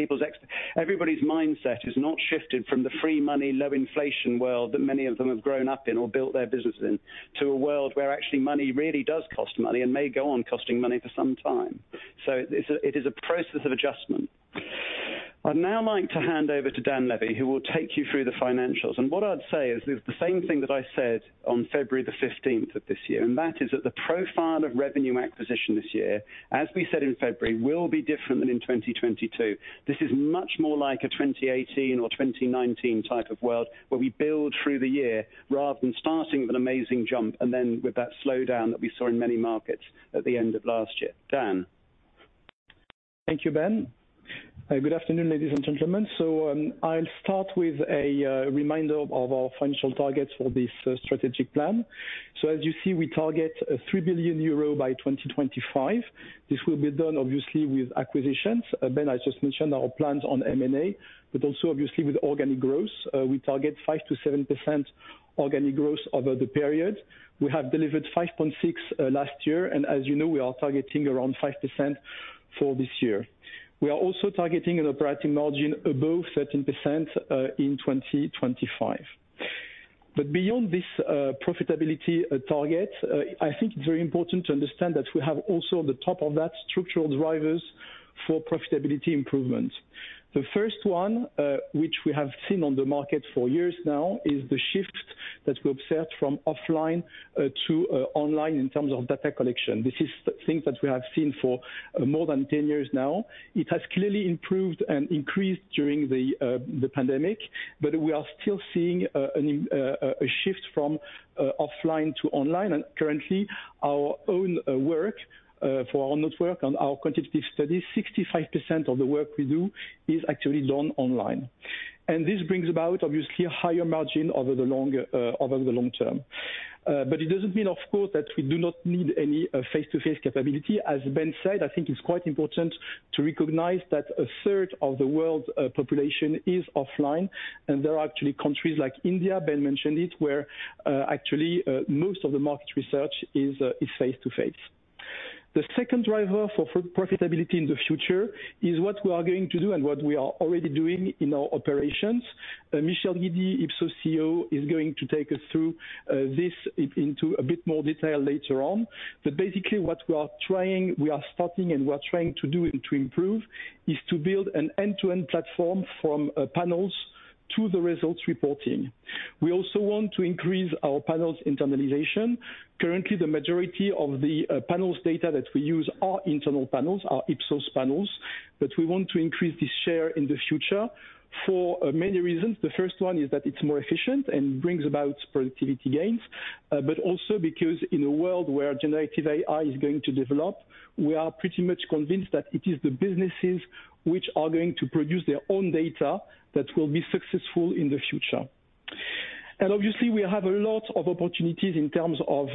Speaker 1: Everybody's mindset has not shifted from the free money, low inflation world that many of them have grown up in or built their businesses in, to a world where actually money really does cost money and may go on costing money for some time. It's a, it is a process of adjustment. I'd now like to hand over to Dan Lévy, who will take you through the financials. What I'd say is the same thing that I said on February the 15th of this year, and that is that the profile of revenue acquisition this year, as we said in February, will be different than in 2022. This is much more like a 2018 or 2019 type of world, where we build through the year rather than starting with an amazing jump, and then with that slowdown that we saw in many markets at the end of last year. Dan?
Speaker 3: Thank you, Ben. Good afternoon, ladies and gentlemen. I'll start with a reminder of our financial targets for this strategic plan. As you see, we target 3 billion euro by 2025. This will be done obviously, with acquisitions. Ben, I just mentioned our plans on M&A, but also obviously with organic growth, we target 5%-7% organic growth over the period. We have delivered 5.6% last year, and as you know, we are targeting around 5% for this year. We are also targeting an operating margin above 13% in 2025. Beyond this profitability target, I think it's very important to understand that we have also on the top of that, structural drivers for profitability improvement. The first one, which we have seen on the market for years now, is the shift that we observed from offline to online in terms of data collection. This is the thing that we have seen for more than 10 years now. It has clearly improved and increased during the pandemic, but we are still seeing a shift from offline to online. Currently, our own work for our network and our quantitative studies, 65% of the work we do is actually done online. This brings about, obviously, a higher margin over the longer over the long term. But it doesn't mean, of course, that we do not need any face-to-face capability. As Ben said, I think it's quite important to recognize that 1/3 of the world's population is offline, and there are actually countries like India, Ben mentioned it, where actually most of the market research is face-to-face. The second driver for profitability in the future is what we are going to do and what we are already doing in our operations. Michel Guidi, Ipsos CEO, is going to take us through this into a bit more detail later on. Basically, what we are starting and we are trying to do and to improve, is to build an end-to-end platform from panels to the results reporting. We also want to increase our panels' internalization. Currently, the majority of the panels data that we use are internal panels, are Ipsos panels, but we want to increase this share in the future for many reasons. The first one is that it's more efficient and brings about productivity gains, but also because in a world where generative AI is going to develop, we are pretty much convinced that it is the businesses which are going to produce their own data that will be successful in the future. Obviously, we have a lot of opportunities in terms of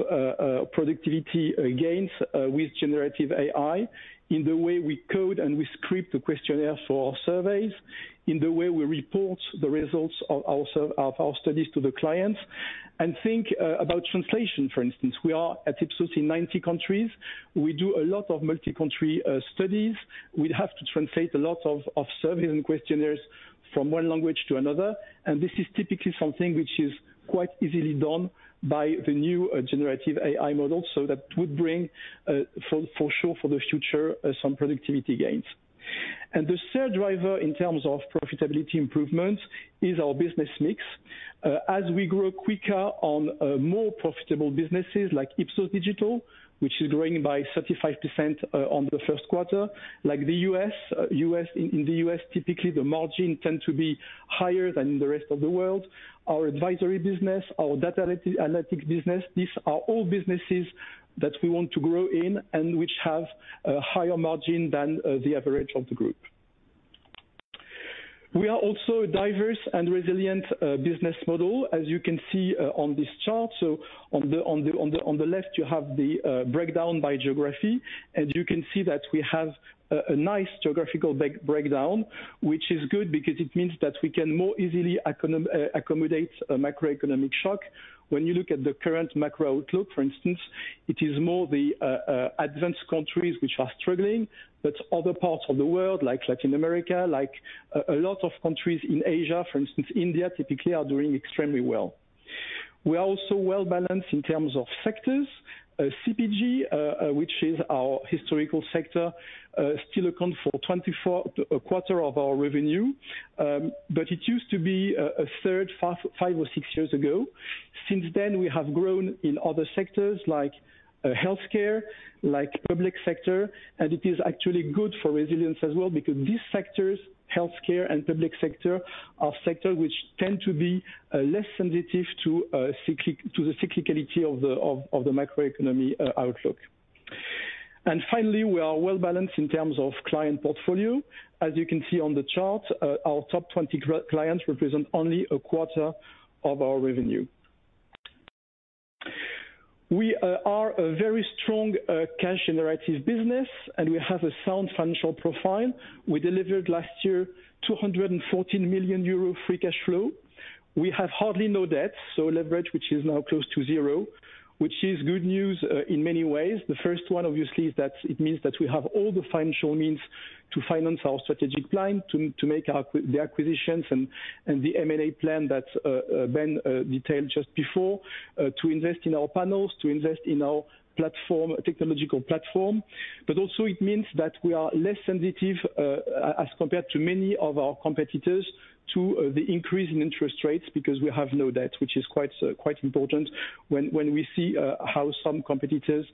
Speaker 3: productivity gains with generative AI, in the way we code and we script the questionnaire for our surveys, in the way we report the results of our studies to the clients. Think about translation, for instance. We are at Ipsos in 90 countries. We do a lot of multi-country studies. We have to translate a lot of surveys and questionnaires from one language to another. This is typically something which is quite easily done by the new generative AI model. That would bring, for sure, for the future, some productivity gains. The third driver in terms of profitability improvements is our business mix. As we grow quicker on more profitable businesses like Ipsos.Digital, which is growing by 35%, on the first quarter, like the U.S., in the U.S., typically, the margin tend to be higher than the rest of the world. Our advisory business, our data analytic business, these are all businesses that we want to grow in and which have a higher margin than the average of the group. We are also a diverse and resilient business model, as you can see on this chart. On the left, you have the breakdown by geography, and you can see that we have a nice geographical breakdown, which is good because it means that we can more easily accommodate a macroeconomic shock. When you look at the current macro outlook, for instance, it is more the advanced countries which are struggling, but other parts of the world, like Latin America, like a lot of countries in Asia, for instance, India, typically are doing extremely well. We are also well-balanced in terms of sectors. CPG, which is our historical sector, still account for 24%. A quarter of our revenue, but it used to be 1/3, five or six years ago. Since then, we have grown in other sectors like healthcare, like public sector, and it is actually good for resilience as well, because these sectors, healthcare and public sector, are sector which tend to be less sensitive to the cyclicality of the microeconomy outlook. Finally, we are well-balanced in terms of client portfolio. As you can see on the chart, our top 20 clients represent only 1/4 of our revenue. We are a very strong cash-generative business, and we have a sound financial profile. We delivered last year, 214 million euro free cash flow. We have hardly no debt, so leverage, which is now close to zero, which is good news in many ways. The first one, obviously, is that it means that we have all the financial means to finance our strategic plan, to make the acquisitions and the M&A plan that Ben detailed just before, to invest in our panels, to invest in our platform, technological platform. Also it means that we are less sensitive as compared to many of our competitors, to the increase in interest rates because we have no debt, which is quite important when we see how some competitors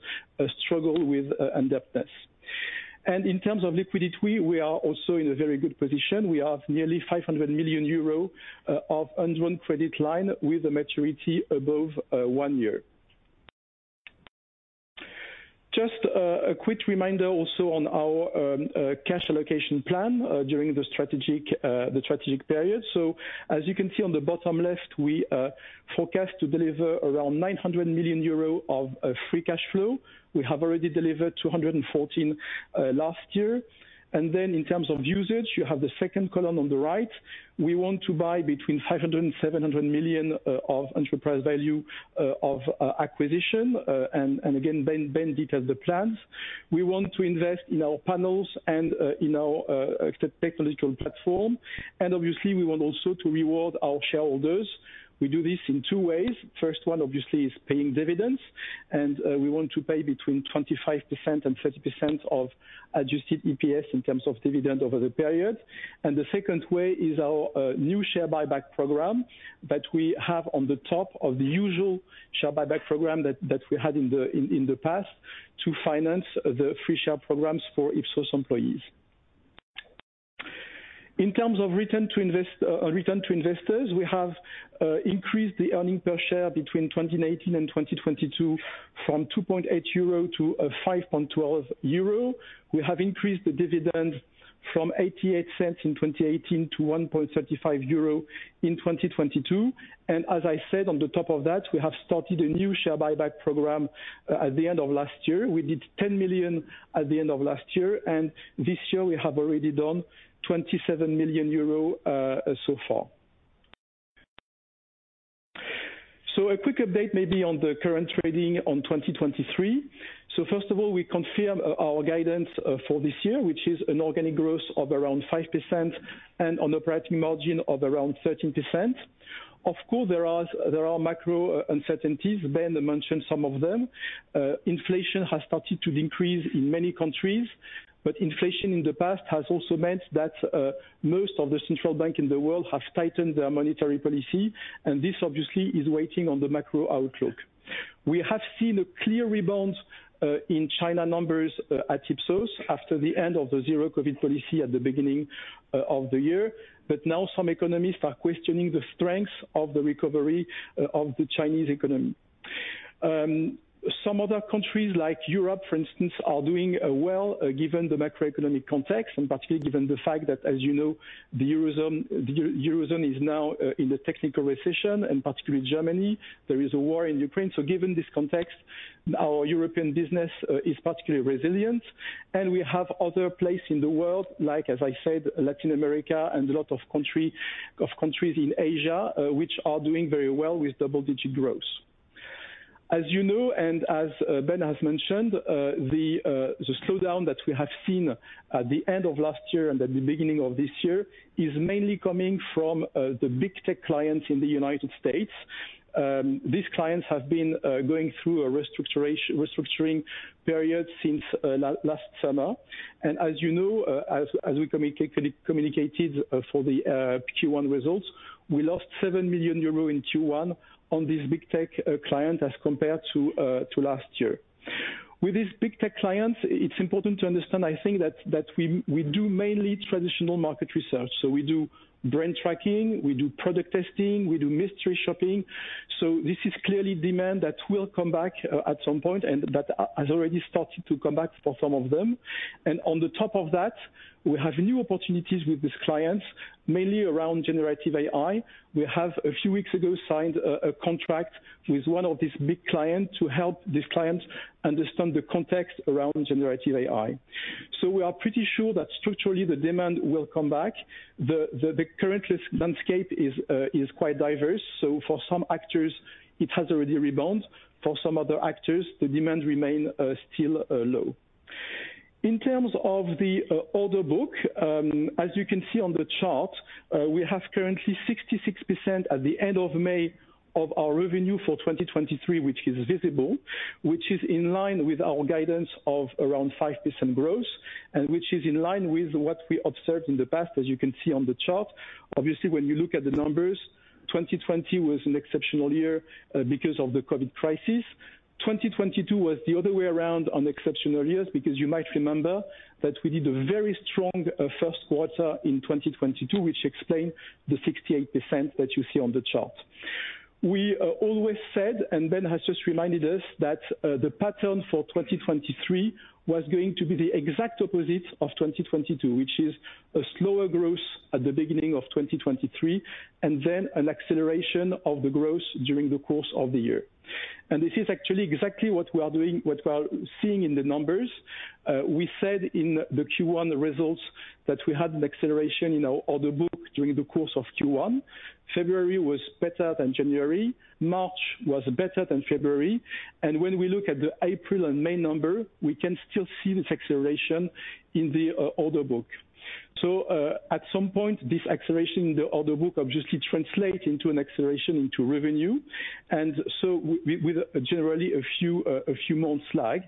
Speaker 3: struggle with indebtedness. In terms of liquidity, we are also in a very good position. We have nearly 500 million euros of undrawn credit line with a maturity above one year. Just a quick reminder also on our cash allocation plan during the strategic period. As you can see on the bottom left, we forecast to deliver around 900 million euro of free cash flow. We have already delivered 214 million last year. In terms of usage, you have the second column on the right. We want to buy between 500 million-700 million of enterprise value of acquisition. Again, Ben detailed the plans. We want to invest in our panels and in our technological platform, and obviously, we want also to reward our shareholders. We do this in two ways. First one, obviously, is paying dividends, we want to pay between 25% and 30% of adjusted EPS in terms of dividend over the period. The second way is our new share buyback program that we have on the top of the usual share buyback program that we had in the past to finance the free share programs for Ipsos employees. In terms of return to investors, we have increased the EPS between 2019 and 2022, from 2.8 euro to 5.12 euro. We have increased the dividend from 0.88 in 2018 to 1.35 euro in 2022. As I said, on the top of that, we have started a new share buyback program at the end of last year. We did 10 million at the end of last year, and this year, we have already done 27 million euros so far. A quick update maybe on the current trading on 2023. First of all, we confirm our guidance for this year, which is an organic growth of around 5% and on operating margin of around 13%. Of course, there are macro uncertainties. Ben mentioned some of them. Inflation has started to increase in many countries, but inflation in the past has also meant that most of the central bank in the world have tightened their monetary policy, and this obviously is waiting on the macro outlook. We have seen a clear rebound in China numbers at Ipsos after the end of the zero-COVID policy at the beginning of the year. Now some economists are questioning the strength of the recovery of the Chinese economy. Some other countries, like Europe, for instance, are doing well, given the macroeconomic context, and particularly given the fact that, as you know, the Eurozone is now in a technical recession, and particularly Germany, there is a war in Ukraine. Given this context, our European business is particularly resilient, and we have other place in the world, like, as I said, Latin America and a lot of countries in Asia, which are doing very well with double-digit growth. As you know, and as Ben has mentioned, the slowdown that we have seen at the end of last year and at the beginning of this year is mainly coming from the big tech clients in the United States. These clients have been going through a restructuring period since last summer. As you know, as we communicated, for the Q1 results, we lost 7 million euros in Q1 on this big tech client, as compared to last year. With these big tech clients, it's important to understand, I think, that we do mainly traditional market research. We do brand tracking, we do product testing, we do mystery shopping. This is clearly demand that will come back at some point, and that has already started to come back for some of them. On the top of that, we have new opportunities with these clients, mainly around generative AI. We have, a few weeks ago, signed a contract with one of these big client to help this client understand the context around generative AI. We are pretty sure that structurally, the demand will come back. The current landscape is quite diverse, so for some actors it has already rebound. For some other actors, the demand remain still low. In terms of the order book, as you can see on the chart, we have currently 66% at the end of May, of our revenue for 2023, which is visible, which is in line with our guidance of around 5% growth, and which is in line with what we observed in the past, as you can see on the chart. Obviously, when you look at the numbers, 2020 was an exceptional year because of the COVID crisis. 2022 was the other way around on exceptional years, because you might remember that we did a very strong first quarter in 2022, which explain the 68% that you see on the chart. We always said, and Ben has just reminded us, that the pattern for 2023 was going to be the exact opposite of 2022, which is a slower growth at the beginning of 2023, and then an acceleration of the growth during the course of the year. This is actually exactly what we are seeing in the numbers. We said in the Q1 results that we had an acceleration in our order book during the course of Q1. February was better than January, March was better than February. When we look at the April and May number, we can still see this acceleration in the order book. At some point, this acceleration in the order book obviously translate into an acceleration into revenue, with generally a few, a few months lag.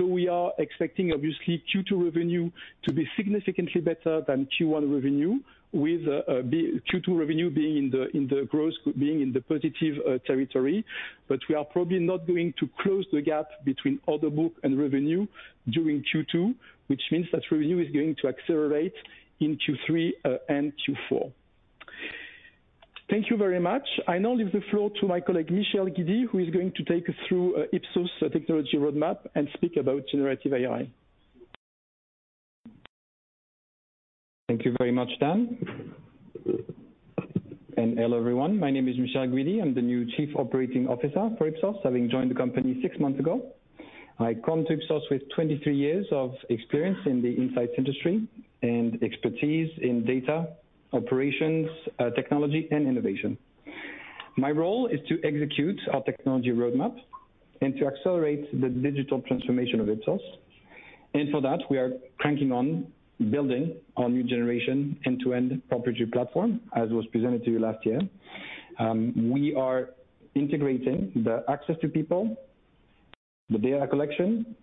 Speaker 3: We are expecting, obviously, Q2 revenue to be significantly better than Q1 revenue, with Q2 revenue being in the growth, being in the positive territory. We are probably not going to close the gap between order book and revenue during Q2, which means that revenue is going to accelerate in Q3 and Q4. Thank you very much. I now leave the floor to my colleague, Michel Guidi, who is going to take us through Ipsos' technology roadmap and speak about generative AI.
Speaker 4: Thank you very much, Dan. Hello, everyone. My name is Michel Guidi. I'm the new Chief Operating Officer for Ipsos, having joined the company six months ago. I come to Ipsos with 23 years of experience in the insights industry and expertise in data, operations, technology, and innovation. My role is to execute our technology roadmap and to accelerate the digital transformation of Ipsos. For that, we are cranking on building our new generation, end-to-end proprietary platform, as was presented to you last year. We are integrating the access to people, the data collection,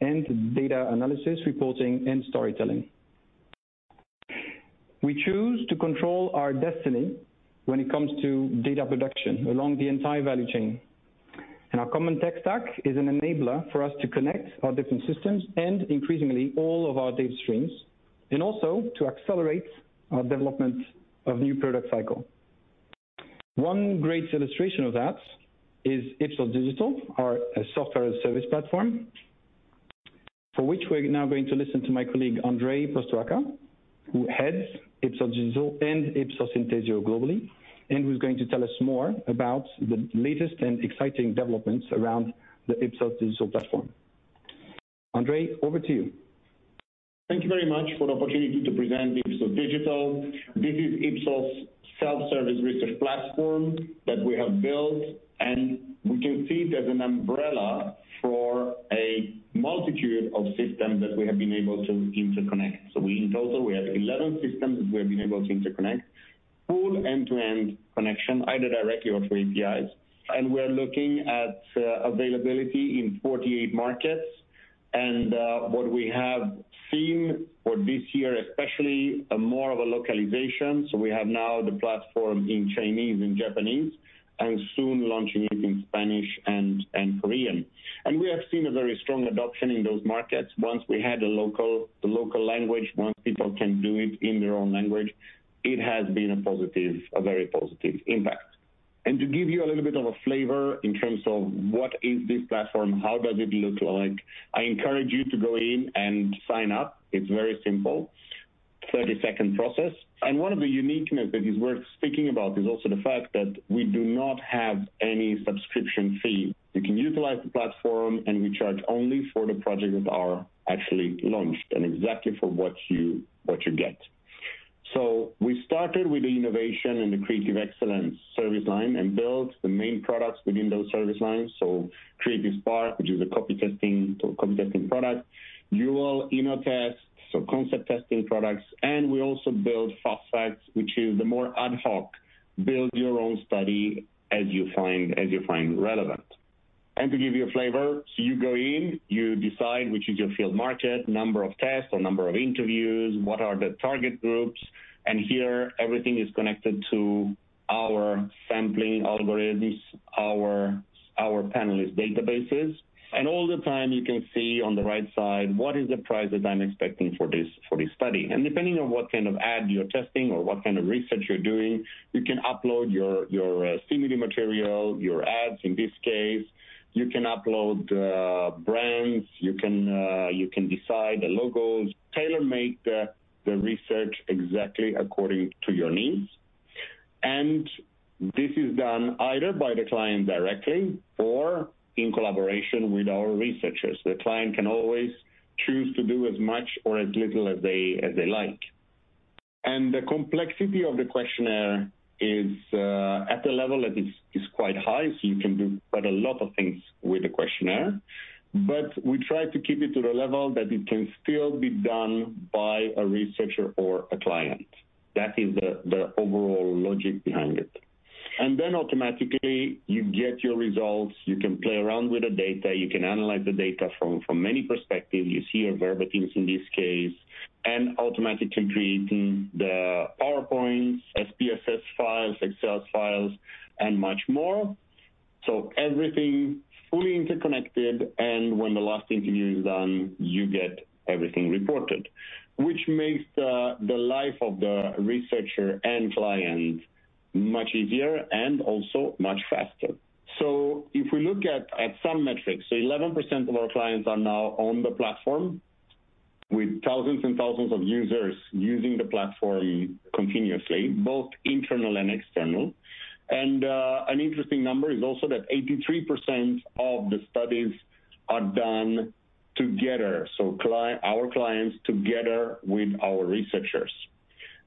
Speaker 4: and data analysis, reporting, and storytelling. We choose to control our destiny when it comes to data production along the entire value chain. Our common tech stack is an enabler for us to connect our different systems, and increasingly, all of our data streams, and also to accelerate our development of new product cycle. One great illustration of that is Ipsos.Digital, our software and service platform, for which we're now going to listen to my colleague, Andrei Postoaca, who heads Ipsos.Digital and Ipsos Synthesio globally, and who's going to tell us more about the latest and exciting developments around the Ipsos.Digital platform. Andrei, over to you.
Speaker 5: Thank you very much for the opportunity to present Ipsos.Digital. This is Ipsos' self-service research platform that we have built. We conceive it as an umbrella for a multitude of systems that we have been able to interconnect. We, in total, we have 11 systems that we have been able to interconnect, full end-to-end connection, either directly or through APIs. We're looking at availability in 48 markets. What we have seen for this year, especially, more of a localization. We have now the platform in Chinese and Japanese, and soon launching it in Spanish and Korean. We have seen a very strong adoption in those markets. Once we had the local language, once people can do it in their own language, it has been a positive, a very positive impact. To give you a little bit of a flavor in terms of what is this platform, how does it look like, I encourage you to go in and sign up. It's very simple, 30-second process. One of the uniqueness that is worth speaking about is also the fact that we do not have any subscription fee. You can utilize the platform, and we charge only for the projects that are actually launched, and exactly for what you get. We started with the innovation and the creative excellence service line and built the main products within those service lines. Creative|Spark, which is a copy testing, so copy testing product, Duel, InnoTest, so concept testing products, and we also build FastFacts, which is the more ad hoc, build your own study as you find relevant. To give you a flavor, you go in, you decide which is your field market, number of tests or number of interviews, what are the target groups? Here, everything is connected to our sampling algorithms, our panelist databases. All the time, you can see on the right side, what is the price that I'm expecting for this study? Depending on what kind of ad you're testing or what kind of research you're doing, you can upload your stimuli material, your ads, in this case. You can upload brands, you can decide the logos, tailor-make the research exactly according to your needs. This is done either by the client directly or in collaboration with our researchers. The client can always choose to do as much or as little as they like. The complexity of the questionnaire is at a level that is quite high, so you can do quite a lot of things with the questionnaire. We try to keep it to the level that it can still be done by a researcher or a client. That is the overall logic behind it. Automatically, you get your results. You can play around with the data, you can analyze the data from many perspectives. You see here verbatims in this case, automatically creating the PowerPoints, SPSS files, Excel files, and much more. Everything fully interconnected, when the last interview is done, you get everything reported, which makes the life of the researcher and client much easier and also much faster. If we look at some metrics, 11% of our clients are now on the platform, with thousands and thousands of users using the platform continuously, both internal and external. An interesting number is also that 83% of the studies are done together, so our clients, together with our researchers.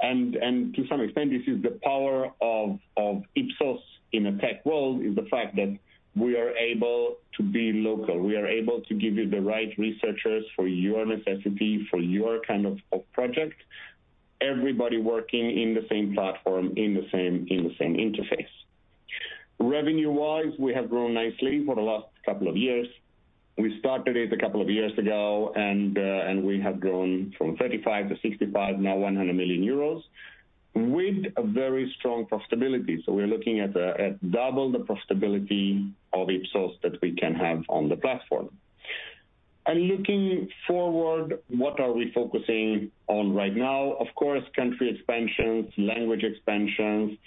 Speaker 5: To some extent, this is the power of Ipsos in a tech world, is the fact that we are able to be local. We are able to give you the right researchers for your necessity, for your kind of project. Everybody working in the same platform, in the same interface. Revenue-wise, we have grown nicely for the last couple of years. We started it a couple of years ago, we have grown from 35 million to 65 million, now 100 million euros, with a very strong profitability. We're looking at double the profitability of Ipsos that we can have on the platform. Looking forward, what are we focusing on right now? Of course, country expansions, language expansions,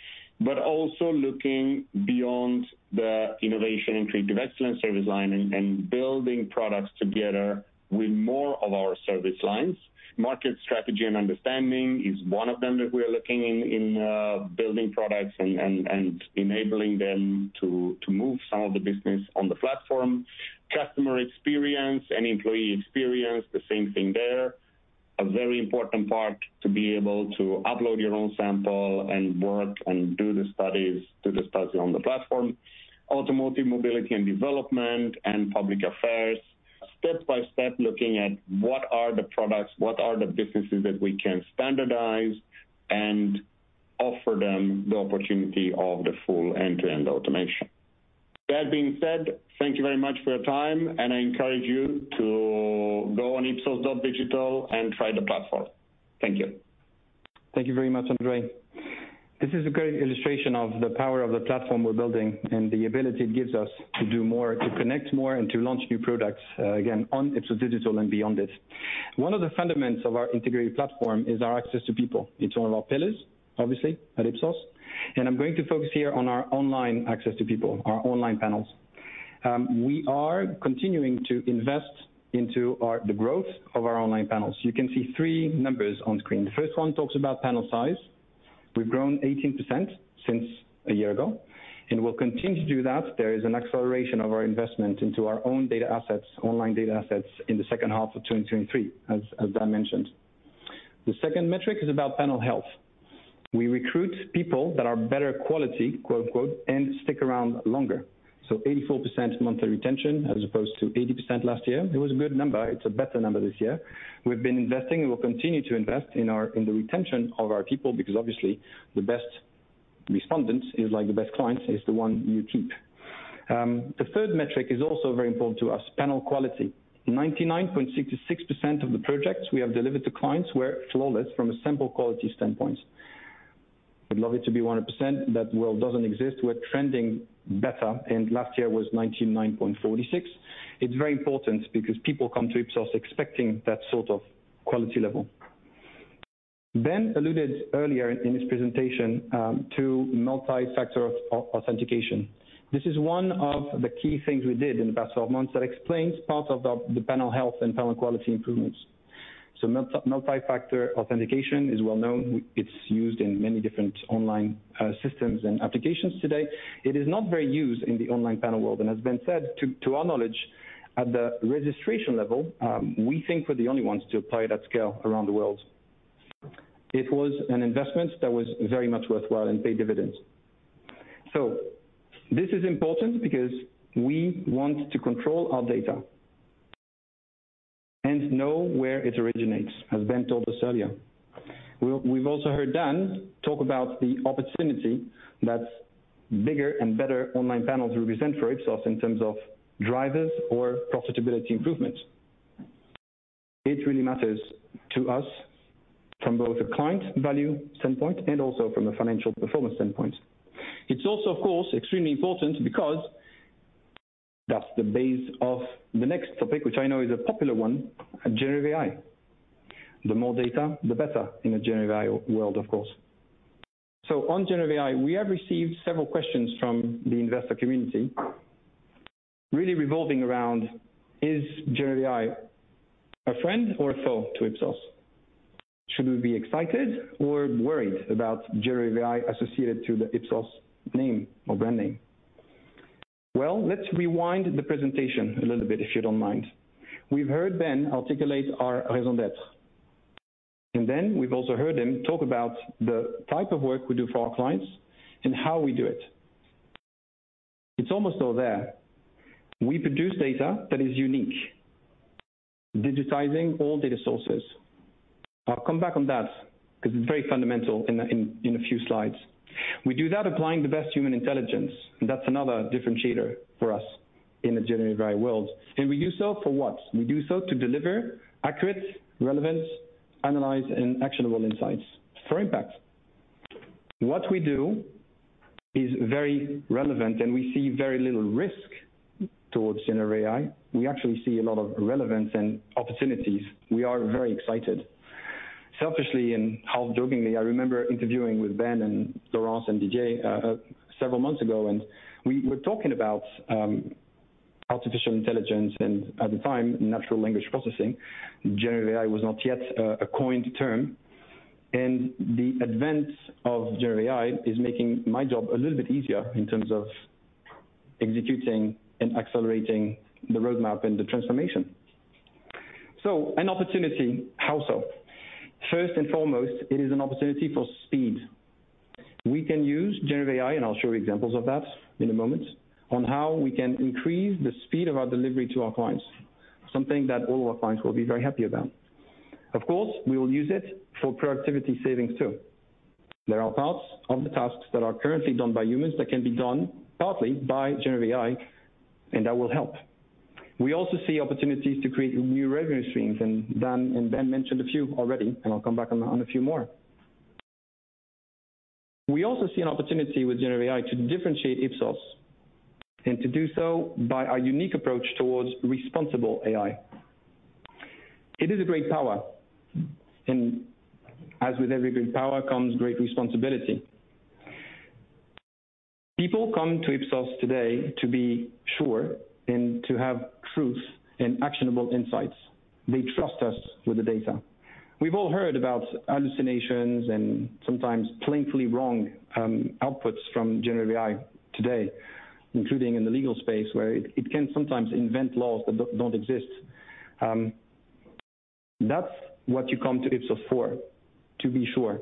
Speaker 5: but also looking beyond the innovation and creative excellence service line and building products together with more of our service lines. Market strategy and understanding is one of them that we are looking in building products and enabling them to move some of the business on the platform. Customer experience and employee experience, the same thing there. A very important part, to be able to upload your own sample and work and do the study on the platform. Automotive, mobility, and development, and Public Affairs. Step by step, looking at what are the products, what are the businesses that we can standardize, and offer them the opportunity of the full end-to-end automation. That being said, thank you very much for your time, and I encourage you to go on Ipsos.Digital and try the platform. Thank you.
Speaker 4: Thank you very much, Andrei. This is a great illustration of the power of the platform we're building and the ability it gives us to do more, to connect more, and to launch new products, again, on Ipsos.Digital and beyond this. One of the fundamentals of our integrated platform is our access to people. It's one of our pillars, obviously, at Ipsos, and I'm going to focus here on our online access to people, our online panels. We are continuing to invest into our the growth of our online panels. You can see three numbers on screen. The first one talks about panel size. We've grown 18% since a year ago, and we'll continue to do that. There is an acceleration of our investment into our own data assets, online data assets, in the second half of 2023, as I mentioned. The second metric is about panel health. We recruit people that are better quality, quote, unquote, "and stick around longer." 84% monthly retention, as opposed to 80% last year. It was a good number. It's a better number this year. We've been investing and will continue to invest in the retention of our people, because obviously, the best respondents is, like the best clients, is the one you keep. The third metric is also very important to us, panel quality. 99.66% of the projects we have delivered to clients were flawless from a sample quality standpoint. We'd love it to be 100%, that world doesn't exist. We're trending better, last year was 99.46%. It's very important because people come to Ipsos expecting that sort of quality level. Ben alluded earlier in his presentation to multi-factor authentication. This is one of the key things we did in the past 12 months that explains part of the panel health and panel quality improvements. Multi-factor authentication is well known. It's used in many different online systems and applications today. It is not very used in the online panel world, and as Ben said, to our knowledge, at the registration level, we think we're the only ones to apply it at scale around the world. It was an investment that was very much worthwhile and paid dividends. This is important because we want to control our data and know where it originates, as Ben told us earlier. We've also heard Dan talk about the opportunity that bigger and better online panels represent for Ipsos in terms of drivers or profitability improvement. It really matters to us from both a client value standpoint and also from a financial performance standpoint. It's also, of course, extremely important because that's the base of the next topic, which I know is a popular one, generative AI. The more data, the better in a generative AI world, of course. On generative AI, we have received several questions from the investor community, really revolving around, is generative AI a friend or a foe to Ipsos? Should we be excited or worried about generative AI associated to the Ipsos name or brand name? Let's rewind the presentation a little bit, if you don't mind. We've heard Ben articulate our raison d'être, and then we've also heard him talk about the type of work we do for our clients and how we do it. It's almost all there. We produce data that is unique, digitizing all data sources. I'll come back on that because it's very fundamental in a few slides. We do that applying the best human intelligence, and that's another differentiator for us in a generative AI world. We do so for what? We do so to deliver accurate, relevant, analyzed, and actionable insights for impact. What we do is very relevant, and we see very little risk towards generative AI. We actually see a lot of relevance and opportunities. We are very excited. Selfishly and half-jokingly, I remember interviewing with Ben and Laurence and DJ, several months ago, and we were talking about artificial intelligence, and at the time, natural language processing. Generative AI was not yet a coined term, and the advent of generative AI is making my job a little bit easier in terms of executing and accelerating the roadmap and the transformation. An opportunity, how so? First and foremost, it is an opportunity for speed. We can use generative AI, and I'll show you examples of that in a moment, on how we can increase the speed of our delivery to our clients, something that all of our clients will be very happy about. Of course, we will use it for productivity savings, too. There are parts of the tasks that are currently done by humans that can be done partly by generative AI, and that will help. We also see opportunities to create new revenue streams, and Dan and Ben mentioned a few already, and I'll come back on a few more. We also see an opportunity with generative AI to differentiate Ipsos, and to do so by our unique approach towards responsible AI. It is a great power, and as with every great power comes great responsibility. People come to Ipsos today to be sure and to have truth and actionable insights. They trust us with the data. We've all heard about hallucinations and sometimes painfully wrong, outputs from generative AI today, including in the legal space, where it can sometimes invent laws that don't exist. That's what you come to Ipsos for, to be sure.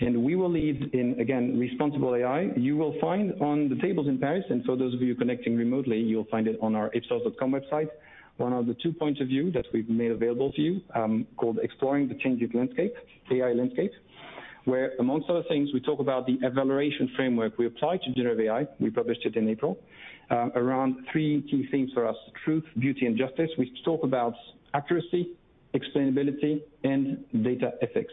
Speaker 4: We will lead in, again, responsible AI. You will find on the tables in Paris, and so those of you connecting remotely, you'll find it on our ipsos.com website, one of the two points of view that we've made available to you, called Exploring the Changing AI Landscape, where amongst other things, we talk about the evaluation framework we apply to generative AI. We published it in April, around three key themes for us: truth, beauty, and justice. We talk about accuracy, explainability, and data ethics.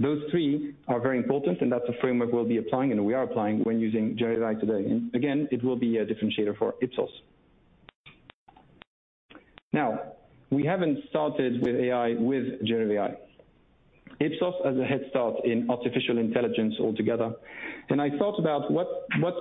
Speaker 4: Those three are very important, and that's a framework we'll be applying, and we are applying when using generative AI today. Again, it will be a differentiator for Ipsos. We haven't started with AI, with generative AI. Ipsos has a head start in artificial intelligence altogether, and I thought about what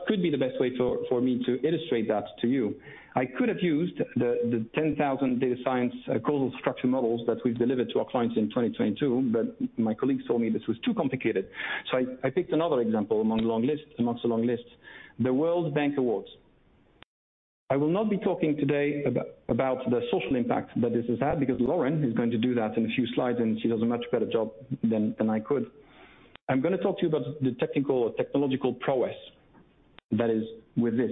Speaker 4: could be the best way for me to illustrate that to you. I could have used the 10,000 data science causal structure models that we've delivered to our clients in 2022. My colleagues told me this was too complicated. I picked another example, among a long list, amongst a long list, the World Bank Awards. I will not be talking today about the social impact that this has had, because Lauren is going to do that in a few slides, and she does a much better job than I could. I'm gonna talk to you about the technical or technological prowess that is with this.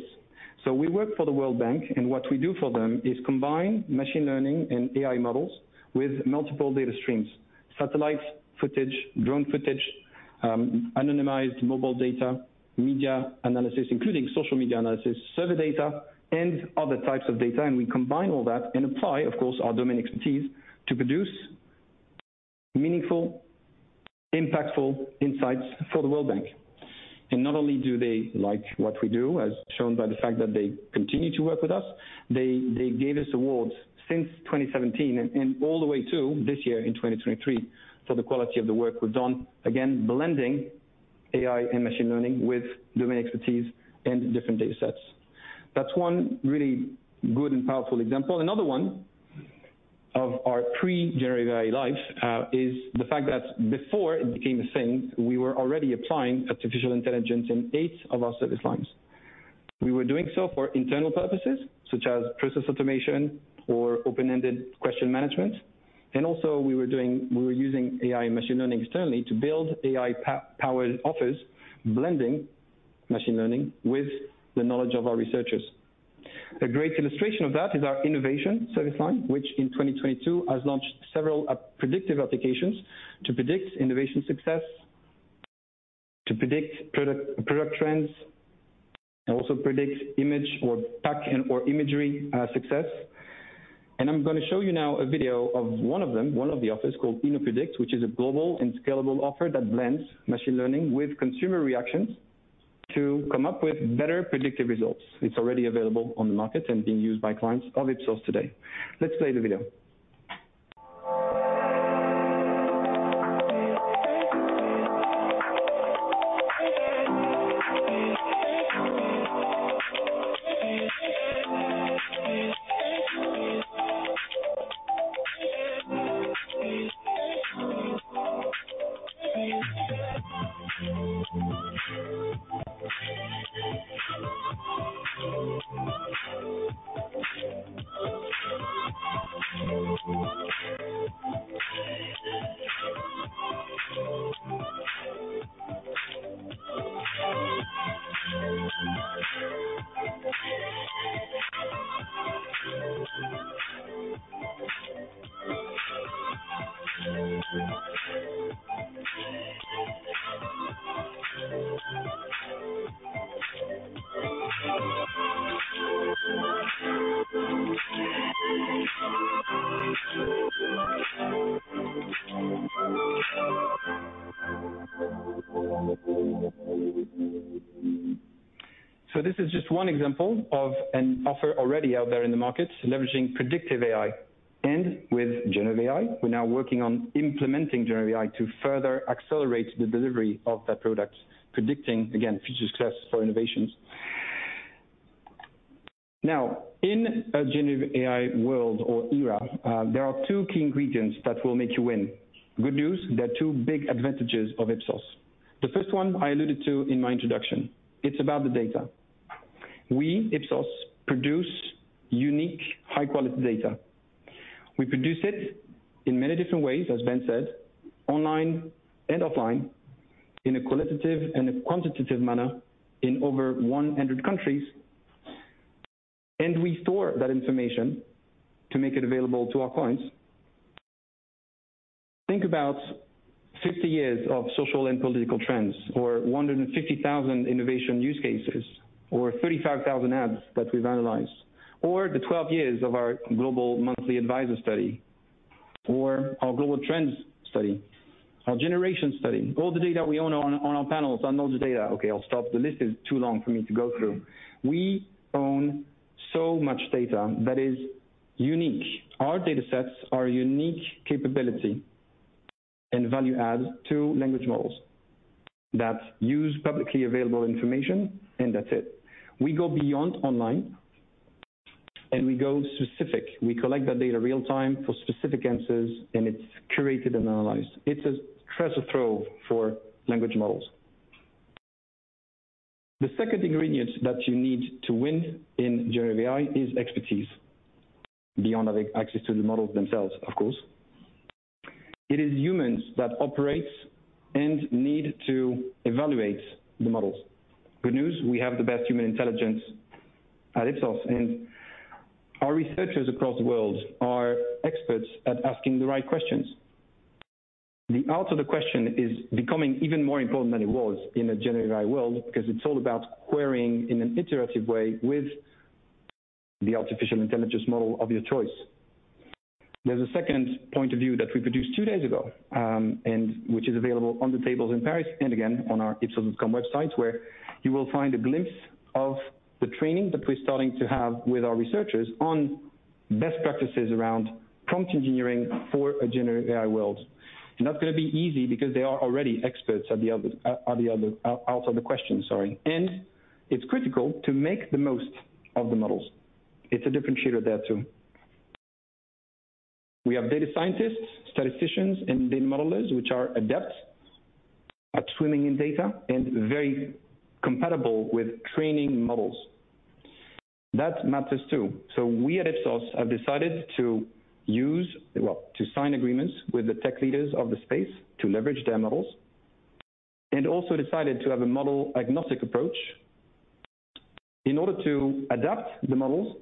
Speaker 4: We work for the World Bank, and what we do for them is combine machine learning and AI models with multiple data streams, satellite footage, drone footage, anonymized mobile data, media analysis, including social media analysis, survey data, and other types of data, and we combine all that and apply, of course, our domain expertise to produce meaningful, impactful insights for the World Bank. Not only do they like what we do, as shown by the fact that they continue to work with us, they gave us awards since 2017 and all the way to this year in 2023, for the quality of the work we've done, again, blending AI and machine learning with domain expertise and different data sets. That's one really good and powerful example. Another one of our pre-generative AI life is the fact that before it became a thing, we were already applying artificial intelligence in eight of our service lines. We were doing so for internal purposes, such as process automation or open-ended question management. Also, we were using AI and machine learning externally to build AI-powered offers, blending machine learning with the knowledge of our researchers. A great illustration of that is our innovation service line, which in 2022, has launched several predictive applications to predict innovation success, to predict product trends, and also predict image or pack or imagery success. I'm gonna show you now a video of one of them, one of the offers called InnoPredict, which is a global and scalable offer that blends machine learning with consumer reactions to come up with better predictive results. It's already available on the market and being used by clients of Ipsos today. Let's play the video. So this is just one example of an offer already out there in the market, leveraging predictive AI. With generative AI, we're now working on implementing generative AI to further accelerate the delivery of that product, predicting, again, future success for innovations. In a generative AI world or era, there are two key ingredients that will make you win. Good news, there are two big advantages of Ipsos. The first one I alluded to in my introduction, it's about the data. We, Ipsos, produce unique, high-quality data. We produce it in many different ways, as Ben said, online and offline, in a qualitative and a quantitative manner, in over 100 countries. We store that information to make it available to our clients. Think about 50 years of social and political trends, or 150,000 innovation use cases, or 35,000 ads that we've analyzed, or the 12 years of our Global Monthly Advisor Study, or our Global Trends Study, our Generation Study, all the data we own on our panels, on all the data. Okay, I'll stop. The list is too long for me to go through. We own so much data that is unique. Our data sets are a unique capability and value add to language models that use publicly available information. That's it. We go beyond online. We go specific. We collect that data real-time for specific answers. It's curated and analyzed. It's a treasure trove for language models. The second ingredient that you need to win in generative AI is expertise, beyond having access to the models themselves, of course. It is humans that operate and need to evaluate the models. Good news, we have the best human intelligence at Ipsos, and our researchers across the world are experts at asking the right questions. The art of the question is becoming even more important than it was in a generative AI world, because it's all about querying in an iterative way with the artificial intelligence model of your choice. There's a second point of view that we produced two days ago, which is available on the tables in Paris, and again, on our ipsos.com website, where you will find a glimpse of the training that we're starting to have with our researchers on best practices around prompt engineering for a generative AI world. It's not gonna be easy because they are already experts at the art of the question. It's critical to make the most of the models. It's a differentiator there, too. We have data scientists, statisticians, and data modelers, which are adept at swimming in data and very compatible with training models. That matters, too. We at Ipsos have decided to use... To sign agreements with the tech leaders of the space to leverage their models, and also decided to have a model-agnostic approach in order to adapt the models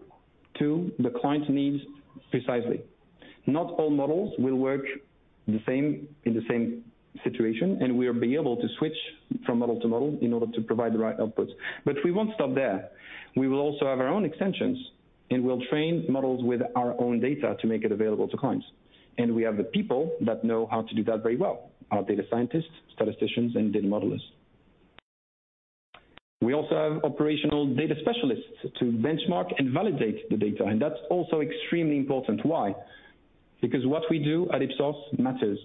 Speaker 4: to the client's needs precisely. Not all models will work the same, in the same situation, and we'll be able to switch from model to model in order to provide the right outputs. We won't stop there. We will also have our own extensions, and we'll train models with our own data to make it available to clients. We have the people that know how to do that very well, our data scientists, statisticians, and data modelers. We also have operational data specialists to benchmark and validate the data, and that's also extremely important. Why? Because what we do at Ipsos matters.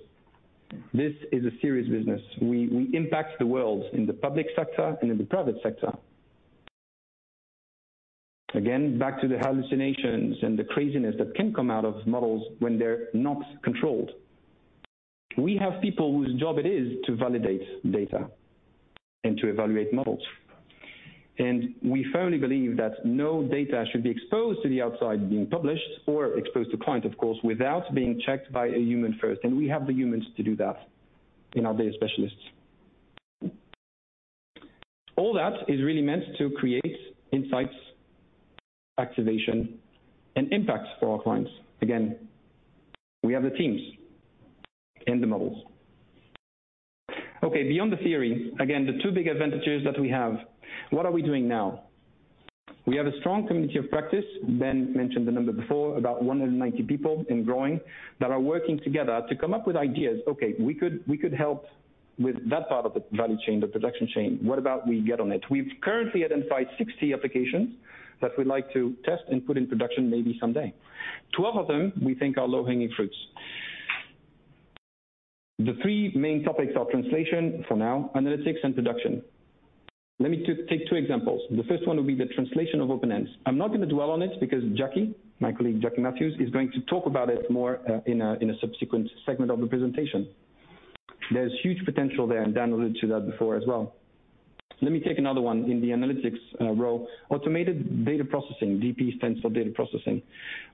Speaker 4: This is a serious business. We impact the world in the public sector and in the private sector. Again, back to the hallucinations and the craziness that can come out of models when they're not controlled. We have people whose job it is to validate data and to evaluate models. We firmly believe that no data should be exposed to the outside, being published or exposed to clients, of course, without being checked by a human first, and we have the humans to do that in our data specialists. All that is really meant to create insights, activation, and impacts for our clients. Again, we have the teams and the models. Beyond the theory, again, the two big advantages that we have, what are we doing now? We have a strong community of practice. Ben mentioned the number before, about 190 people, and growing, that are working together to come up with ideas. "Okay, we could help with that part of the value chain, the production chain. What about we get on it?" We've currently identified 60 applications that we'd like to test and put in production, maybe someday. 12 of them we think are low-hanging fruits. The three main topics are translation, for now, analytics, and production. Let me take two examples. The first one will be the translation of open ends. I'm not going to dwell on it because Jacquie, my colleague, Jacquie Matthews, is going to talk about it more in a subsequent segment of the presentation. There's huge potential there. Dan alluded to that before as well. Let me take another one in the analytics row. Automated data processing. DP stands for data processing.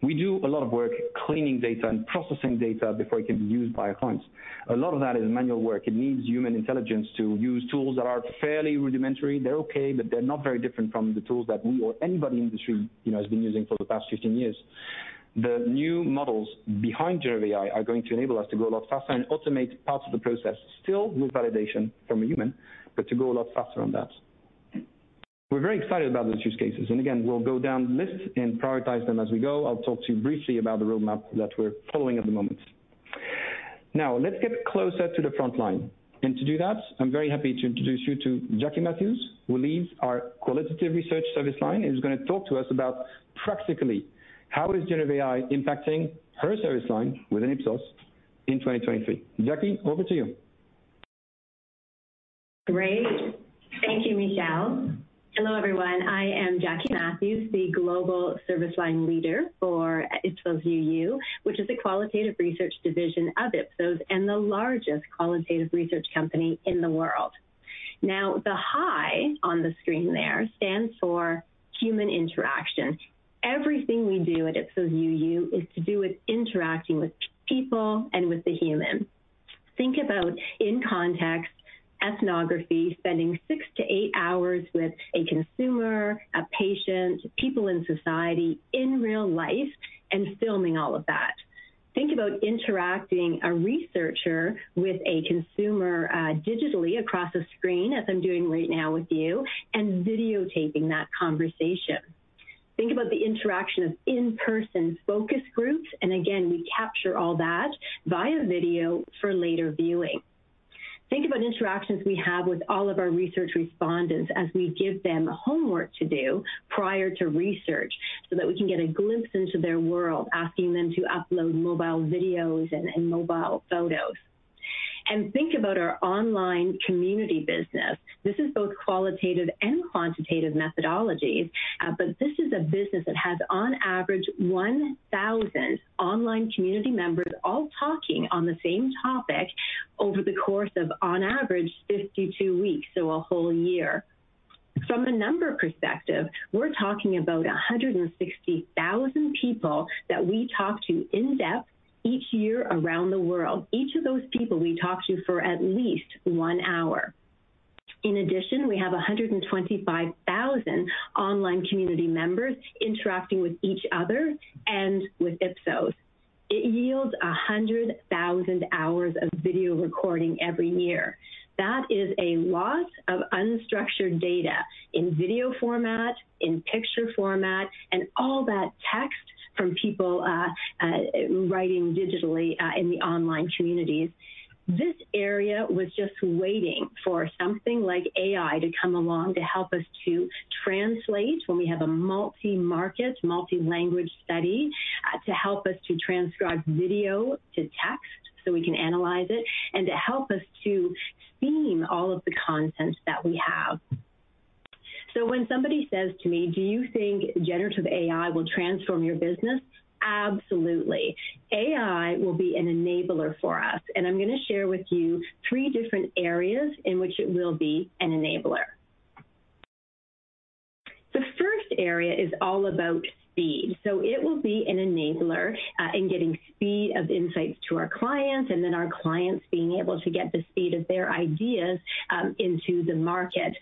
Speaker 4: We do a lot of work cleaning data and processing data before it can be used by our clients. A lot of that is manual work. It needs human intelligence to use tools that are fairly rudimentary. They're okay, but they're not very different from the tools that we or anybody in the industry, you know, has been using for the past 15 years. The new models behind generative AI are going to enable us to go a lot faster and automate parts of the process, still with validation from a human, but to go a lot faster on that. We're very excited about those use cases, and again, we'll go down the list and prioritize them as we go. I'll talk to you briefly about the roadmap that we're following at the moment. Let's get closer to the frontline, and to do that, I'm very happy to introduce you to Jacquie Matthews, who leads our qualitative research service line, and is going to talk to us about practically, how is generative AI impacting her service line within Ipsos in 2023. Jacquie, over to you.
Speaker 6: Great. Thank you, Michel. Hello, everyone. I am Jacquie Matthews, the Global Service Line Leader for Ipsos UU, which is a qualitative research division of Ipsos and the largest qualitative research company in the world. The HI on the screen there stands for human interaction. Everything we do at Ipsos UU is to do with interacting with people and with the human. Think about, in context, ethnography, spending six-eight hours with a consumer, a patient, people in society, in real life, and filming all of that. Think about interacting a researcher with a consumer digitally across a screen, as I'm doing right now with you, and videotaping that conversation. Think about the interaction of in-person focus groups, and again, we capture all that via video for later viewing. Think about interactions we have with all of our research respondents as we give them homework to do prior to research, so that we can get a glimpse into their world, asking them to upload mobile videos and mobile photos. Think about our online community business. This is both qualitative and quantitative methodologies, but this is a business that has, on average, 1,000 online community members, all talking on the same topic over the course of, on average, 52 weeks, so a whole year. From a number perspective, we're talking about 160,000 people that we talk to in-depth each year around the world. Each of those people, we talk to for at least one hour. In addition, we have 125,000 online community members interacting with each other and with Ipsos. It yields 100,000 hours of video recording every year. That is a lot of unstructured data in video format, in picture format, and all that text from people writing digitally in the online communities. This area was just waiting for something like AI to come along to help us to translate when we have a multi-market, multi-language study, to help us to transcribe video to text so we can analyze it, and to help us to theme all of the content that we have. When somebody says to me, "Do you think generative AI will transform your business?" Absolutely. AI will be an enabler for us, and I'm going to share with you three different areas in which it will be an enabler. The first area is all about speed. It will be an enabler in getting speed of insights to our clients, and then our clients being able to get the speed of their ideas into the market.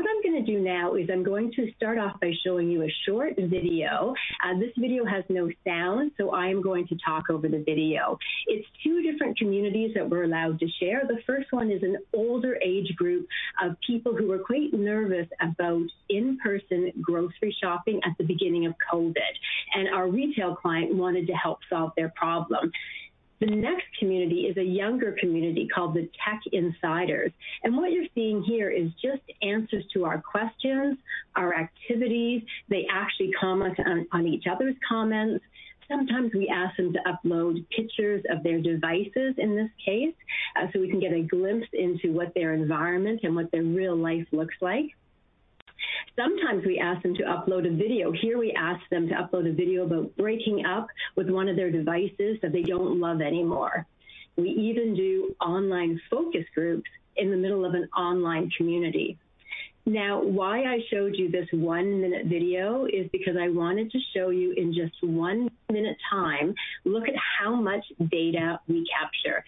Speaker 6: What I'm going to do now is I'm going to start off by showing you a short video. This video has no sound, so I am going to talk over the video. It's two different communities that we're allowed to share. The first one is an older age group of people who were quite nervous about in-person grocery shopping at the beginning of COVID, and our retail client wanted to help solve their problem. The next community is a younger community called the Tech Insiders, and what you're seeing here is just answers to our questions, our activities. They actually comment on each other's comments. Sometimes we ask them to upload pictures of their devices, in this case, so we can get a glimpse into what their environment and what their real life looks like. Sometimes we ask them to upload a video. Here we ask them to upload a video about breaking up with one of their devices that they don't love anymore. We even do online focus groups in the middle of an online community. Why I showed you this one-minute video is because I wanted to show you in just one minute time, look at how much data we capture.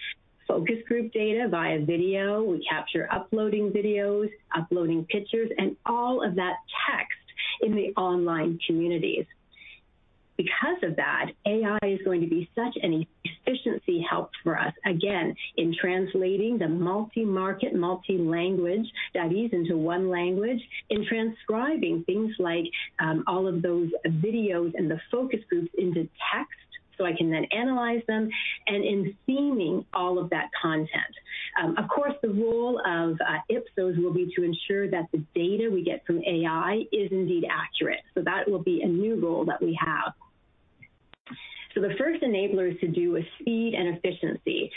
Speaker 6: Focus group data via video, we capture uploading videos, uploading pictures, and all of that text in the online communities. AI is going to be such an efficiency help for us, again, in translating the multi-market, multi-language studies into one language, in transcribing things like all of those videos and the focus groups into text, so I can then analyze them, and in theming all of that content. Of course, the role of Ipsos will be to ensure that the data we get from AI is indeed accurate. That will be a new role that we have. The first enabler is to do with speed and efficiency,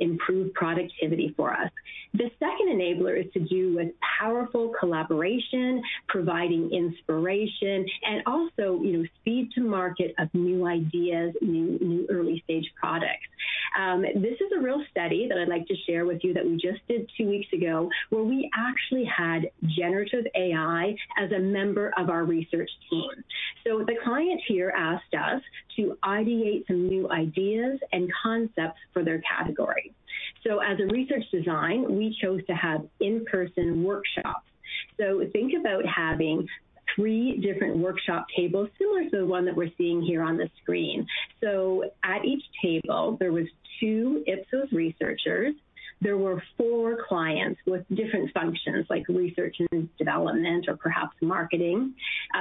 Speaker 6: improve productivity for us. The second enabler is to do with powerful collaboration, providing inspiration, and also, you know, speed to market of new ideas, new early-stage products. This is a real study that I'd like to share with you that we just did two weeks ago, where we actually had generative AI as a member of our research team. The client here asked us to ideate some new ideas and concepts for their category. As a research design, we chose to have in-person workshops. Think about having three different workshop tables, similar to the one that we're seeing here on the screen. At each table, there was two Ipsos researchers. There were four clients with different functions, like research and development or perhaps marketing.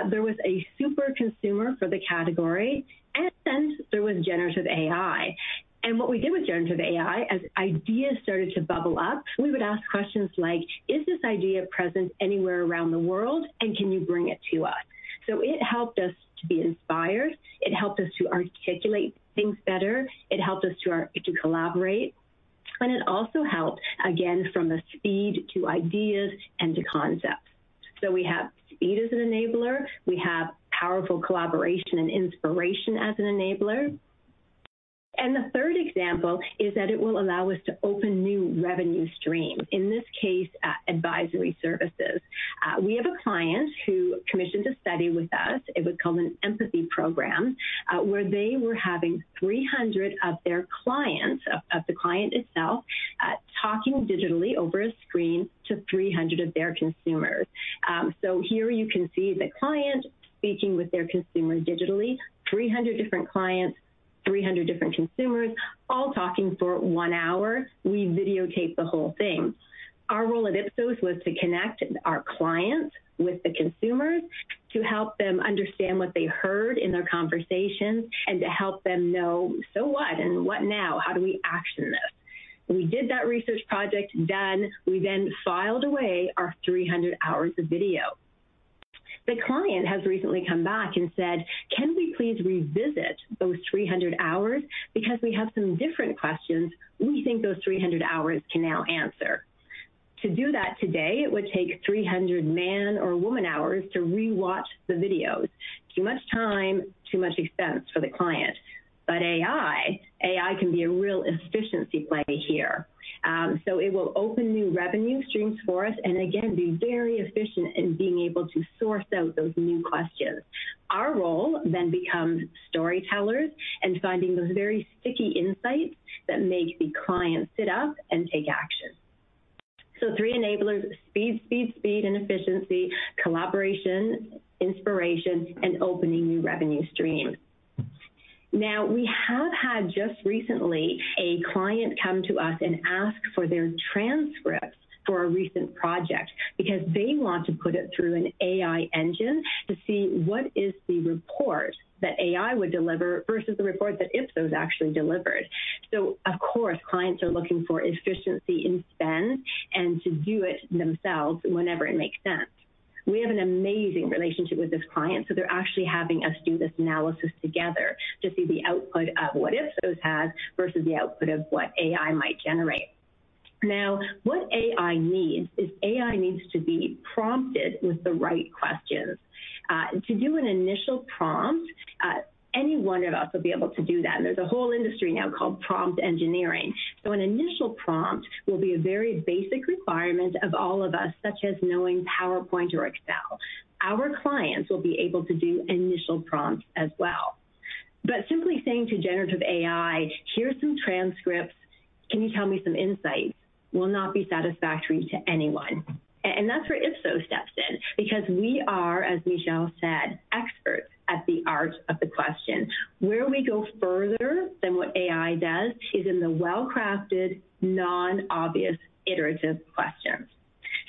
Speaker 6: There was a super consumer for the category, and then there was generative AI. What we did with generative AI, as ideas started to bubble up, we would ask questions like: "Is this idea present anywhere around the world, and can you bring it to us?" It helped us to be inspired, it helped us to articulate things better, it helped us to collaborate, and it also helped, again, from a speed to ideas and to concepts. We have speed as an enabler, we have powerful collaboration and inspiration as an enabler, and the third example is that it will allow us to open new revenue stream, in this case, advisory services. We have a client who commissioned a study with us, it was called an empathy program, where they were having 300 of their clients, of the client itself, talking digitally over a screen to 300 of their consumers. Here you can see the client speaking with their consumers digitally, 300 different clients, 300 different consumers, all talking for one hour. We videotaped the whole thing. Our role at Ipsos was to connect our clients with the consumers, to help them understand what they heard in their conversations, and to help them know, so what, and what now? How do we action this? We did that research project. Done. We filed away our 300 hours of video. The client has recently come back and said, "Can we please revisit those 300 hours? Because we have some different questions we think those 300 hours can now answer." To do that today, it would take 300 man or woman hours to rewatch the videos. Too much time, too much expense for the client. AI can be a real efficiency play here. It will open new revenue streams for us, and again, be very efficient in being able to source out those new questions. Our role then becomes storytellers and finding those very sticky insights that make the client sit up and take action. Three enablers, speed, speed, and efficiency, collaboration, inspiration, and opening new revenue streams. We have had, just recently, a client come to us and ask for their transcripts for a recent project because they want to put it through an AI engine to see what is the report that AI would deliver versus the report that Ipsos actually delivered. Of course, clients are looking for efficiency in spend and to do it themselves whenever it makes sense. We have an amazing relationship with this client. They're actually having us do this analysis together to see the output of what Ipsos has versus the output of what AI might generate. What AI needs is AI needs to be prompted with the right questions. To do an initial prompt, any one of us will be able to do that, and there's a whole industry now called prompt engineering. An initial prompt will be a very basic requirement of all of us, such as knowing PowerPoint or Excel. Our clients will be able to do initial prompts as well. Simply saying to generative AI, "Here's some transcripts, can you tell me some insights?" Will not be satisfactory to anyone. That's where Ipsos steps in, because we are, as Michel said, experts at the art of the question. Where we go further than what AI does is in the well-crafted, non-obvious, iterative questions.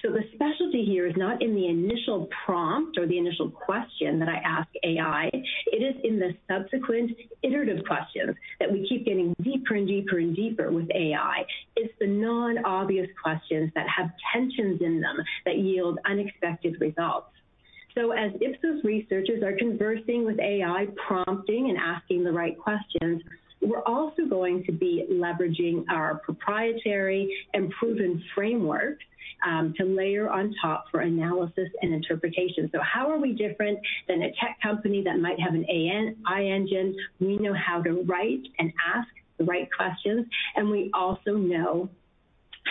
Speaker 6: The specialty here is not in the initial prompt or the initial question that I ask AI, it is in the subsequent iterative questions that we keep getting deeper and deeper, and deeper with AI. It's the non-obvious questions that have tensions in them, that yield unexpected results. As Ipsos researchers are conversing with AI, prompting and asking the right questions, we're also going to be leveraging our proprietary and proven framework to layer on top for analysis and interpretation. How are we different than a tech company that might have an AI engine? We know how to write and ask the right questions, and we also know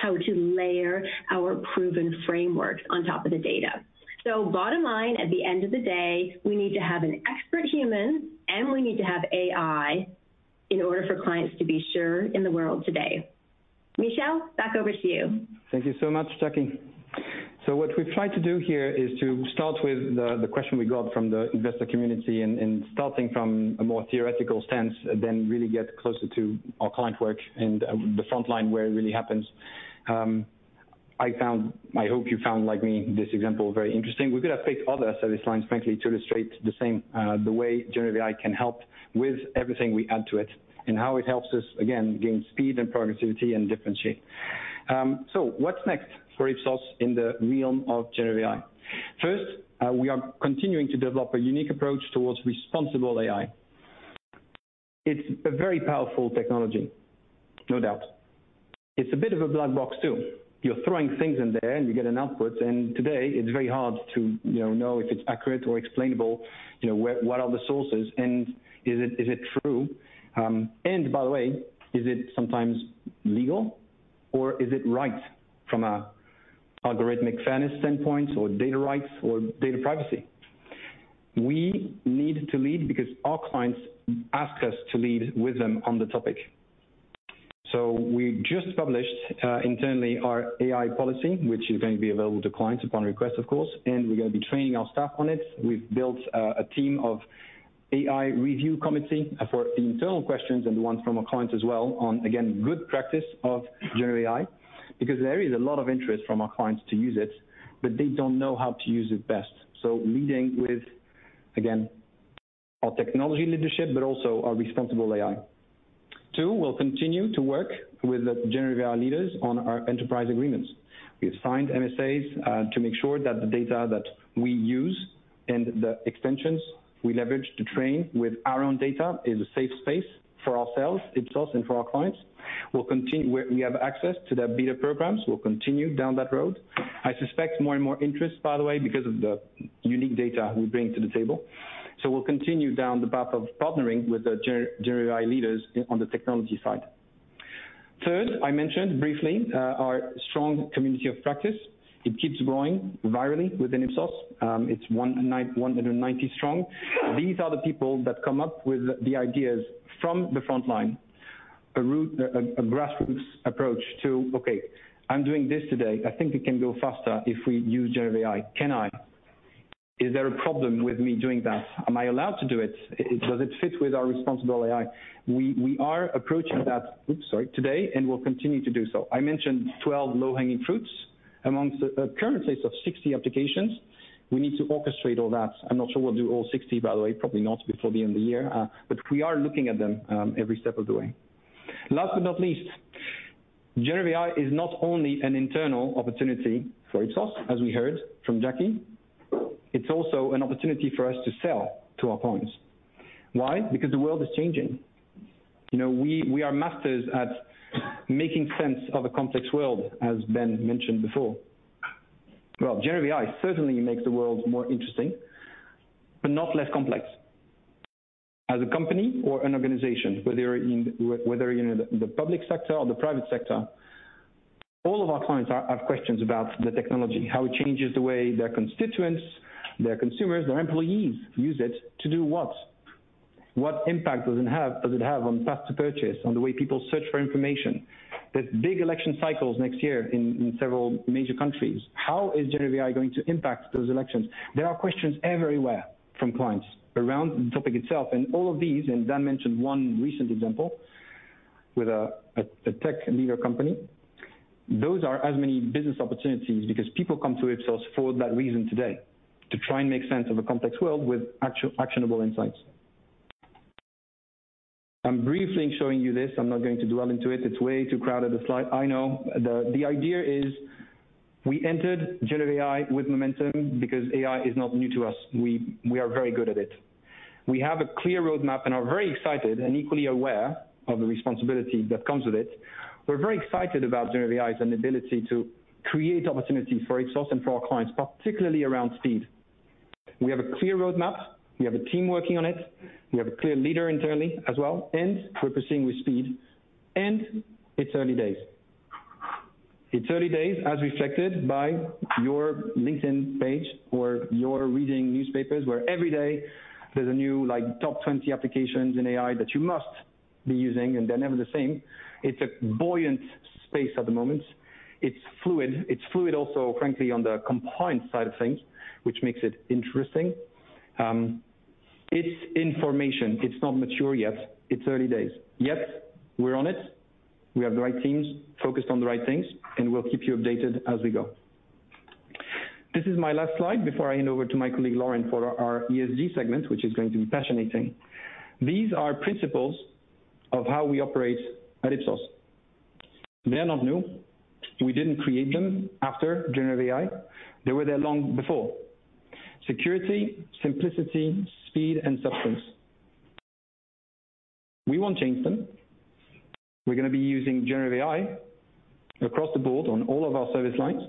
Speaker 6: how to layer our proven framework on top of the data. Bottom line, at the end of the day, we need to have an expert human, and we need to have AI in order for clients to be sure in the world today. Michel, back over to you.
Speaker 4: Thank you so much, Jacquie. What we've tried to do here is to start with the question we got from the investor community, and starting from a more theoretical stance, then really get closer to our client work and the frontline where it really happens. I hope you found, like me, this example very interesting. We could have picked other service lines, frankly, to illustrate the same, the way generative AI can help with everything we add to it and how it helps us, again, gain speed and productivity and differentiate. What's next for Ipsos in the realm of generative AI? First, we are continuing to develop a unique approach towards responsible AI. It's a very powerful technology, no doubt. It's a bit of a black box, too. You're throwing things in there. You get an output. Today, it's very hard to, you know if it's accurate or explainable, you know, what are the sources, and is it, is it true? By the way, is it sometimes legal, or is it right from an algorithmic fairness standpoint or data rights or data privacy? We need to lead because our clients ask us to lead with them on the topic. We just published internally our AI policy, which is going to be available to clients upon request, of course, and we're gonna be training our staff on it. We've built a team of AI review committee for internal questions and the ones from our clients as well on, again, good practice of generative AI, because there is a lot of interest from our clients to use it, but they don't know how to use it best. Leading with, again, our technology leadership, but also our responsible AI. Two, we'll continue to work with the generative AI leaders on our enterprise agreements. We have signed MSAs to make sure that the data that we use and the extensions we leverage to train with our own data is a safe space for ourselves, Ipsos, and for our clients. We'll continue. We have access to their beta programs. We'll continue down that road. I suspect more and more interest, by the way, because of the unique data we bring to the table. We'll continue down the path of partnering with the generative AI leaders on the technology side. Third, I mentioned briefly, our strong community of practice. It keeps growing virally within Ipsos. It's 190 strong. These are the people that come up with the ideas from the front line, a grassroots approach to, "Okay, I'm doing this today. I think it can go faster if we use generative AI. Can I? Is there a problem with me doing that? Am I allowed to do it? Does it fit with our responsible AI?" We are approaching that today, and we'll continue to do so. I mentioned 12 low-hanging fruits amongst a current place of 60 applications. We need to orchestrate all that. I'm not sure we'll do all 60, by the way, probably not before the end of the year, but we are looking at them every step of the way. Last but not least, generative AI is not only an internal opportunity for Ipsos, as we heard from Jacquie, it's also an opportunity for us to sell to our clients. Why? The world is changing. You know, we are masters at making sense of a complex world, as Ben mentioned before. Well, generative AI certainly makes the world more interesting, but not less complex. As a company or an organization, whether you're in, whether you're in the public sector or the private sector, all of our clients have questions about the technology, how it changes the way their constituents, their consumers, their employees use it to do what? What impact does it have on path to purchase, on the way people search for information? There's big election cycles next year in several major countries. How is generative AI going to impact those elections? There are questions everywhere from clients around the topic itself, and all of these, and Dan mentioned one recent example with a tech leader company. Those are as many business opportunities because people come to Ipsos for that reason today, to try and make sense of a complex world with actionable insights. I'm briefly showing you this. I'm not going to dwell into it. It's way too crowded a slide, I know. The idea is we entered generative AI with momentum because AI is not new to us. We are very good at it. We have a clear roadmap and are very excited and equally aware of the responsibility that comes with it. We're very excited about generative AI and the ability to create opportunities for Ipsos and for our clients, particularly around speed. We have a clear roadmap. We have a team working on it. We have a clear leader internally as well, and we're pursuing with speed. It's early days. It's early days, as reflected by your LinkedIn page or you're reading newspapers, where every day there's a new, like, top 20 applications in AI that you must be using. They're never the same. It's a buoyant space at the moment. It's fluid. It's fluid also, frankly, on the compliance side of things, which makes it interesting. It's information. It's not mature yet. It's early days. We're on it. We have the right teams focused on the right things. We'll keep you updated as we go. This is my last slide before I hand over to my colleague, Lauren, for our ESG segment, which is going to be fascinating. These are principles of how we operate at Ipsos. They are not new. We didn't create them after generative AI. They were there long before. Security, simplicity, speed, and substance. We won't change them. We're gonna be using generative AI across the board on all of our service lines,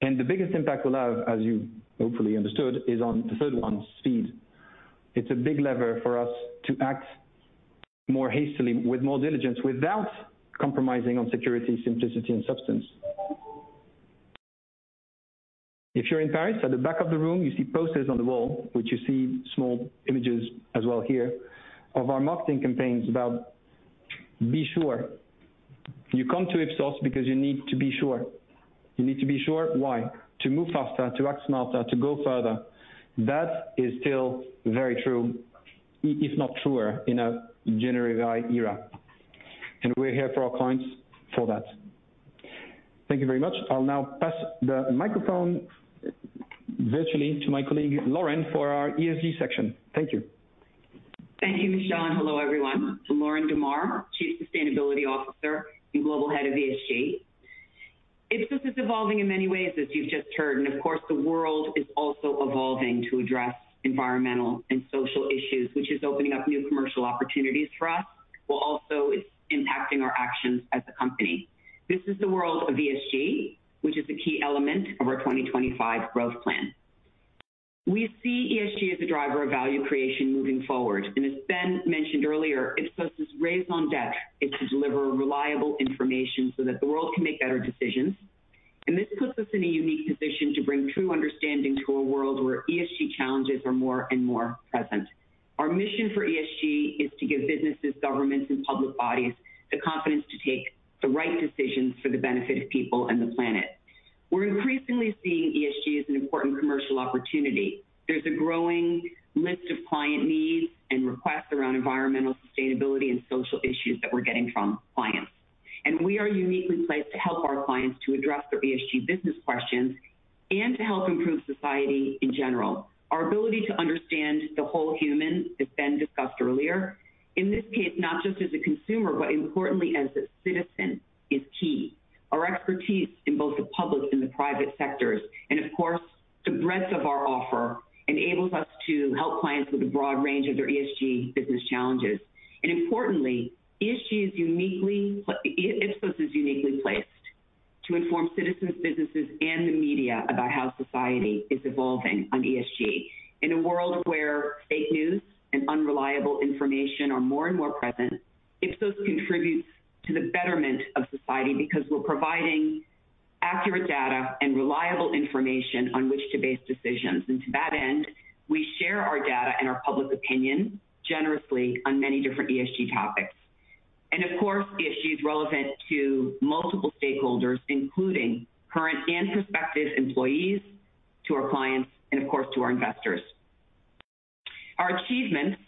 Speaker 4: and the biggest impact we'll have, as you hopefully understood, is on the third one, speed. It's a big lever for us to more hastily, with more diligence, without compromising on security, simplicity, and substance. If you're in Paris, at the back of the room, you see posters on the wall, which you see small images as well here, of our marketing campaigns about Be Sure. You come to Ipsos because you need to be sure. You need to be sure, why? To move faster, to act smarter, to go further. That is still very true, if not truer, in a generative AI era, and we're here for our clients for that. Thank you very much. I'll now pass the microphone virtually to my colleague, Lauren, for our ESG section. Thank you.
Speaker 7: Thank you, Michel, and hello, everyone. I'm Lauren Demar, Chief Sustainability Officer and Global Head of ESG. Ipsos is evolving in many ways, as you've just heard, and of course, the world is also evolving to address environmental and social issues, which is opening up new commercial opportunities for us, while also it's impacting our actions as a company. This is the world of ESG, which is a key element of our 2025 growth plan. We see ESG as a driver of value creation moving forward, and as Ben mentioned earlier, Ipsos is raised on deck. It's to deliver reliable information so that the world can make better decisions. And this puts us in a unique position to bring true understanding to a world where ESG challenges are more and more present. Our mission for ESG is to give businesses, governments, and public bodies the confidence to take the right decisions for the benefit of people and the planet. We're increasingly seeing ESG as an important commercial opportunity. There's a growing list of client needs and requests around environmental sustainability and social issues that we're getting from clients. We are uniquely placed to help our clients to address their ESG business questions and to help improve society in general. Our ability to understand the whole human, as Ben discussed earlier, in this case, not just as a consumer, but importantly as a citizen, is key. Our expertise in both the public and the private sectors, and of course, the breadth of our offer, enables us to help clients with a broad range of their ESG business challenges. Importantly, ESG is uniquely Ipsos is uniquely placed to inform citizens, businesses, and the media about how society is evolving on ESG. In a world where fake news and unreliable information are more and more present, Ipsos contributes to the betterment of society because we're providing accurate data and reliable information on which to base decisions. To that end, we share our data and our public opinion generously on many different ESG topics. Of course, ESG is relevant to multiple stakeholders, including current and prospective employees, to our clients, and of course, to our investors. Our achievements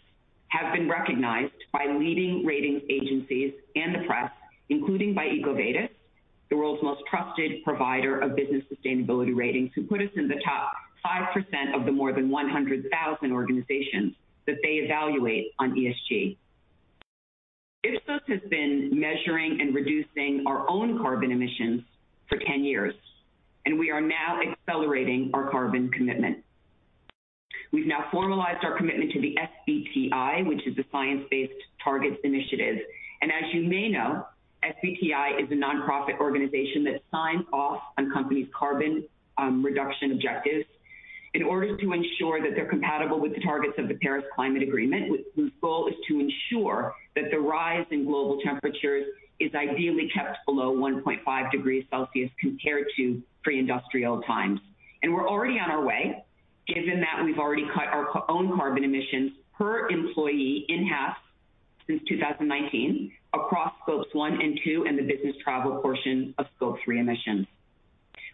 Speaker 7: have been recognized by leading rating agencies and the press, including by EcoVadis, the world's most trusted provider of business sustainability ratings, who put us in the top 5% of the more than 100,000 organizations that they evaluate on ESG. Ipsos has been measuring and reducing our own carbon emissions for 10 years. We are now accelerating our carbon commitment. We've now formalized our commitment to the SBTi, which is the Science Based Targets initiative. As you may know, SBTi is a nonprofit organization that signs off on companies' carbon reduction objectives in order to ensure that they're compatible with the targets of the Paris Agreement, whose goal is to ensure that the rise in global temperatures is ideally kept below 1.5 degrees Celsius compared to pre-industrial times. We're already on our way, given that we've already cut our own carbon emissions per employee in half since 2019, across Scopes 1 and 2, and the business travel portion of Scope 3 emissions.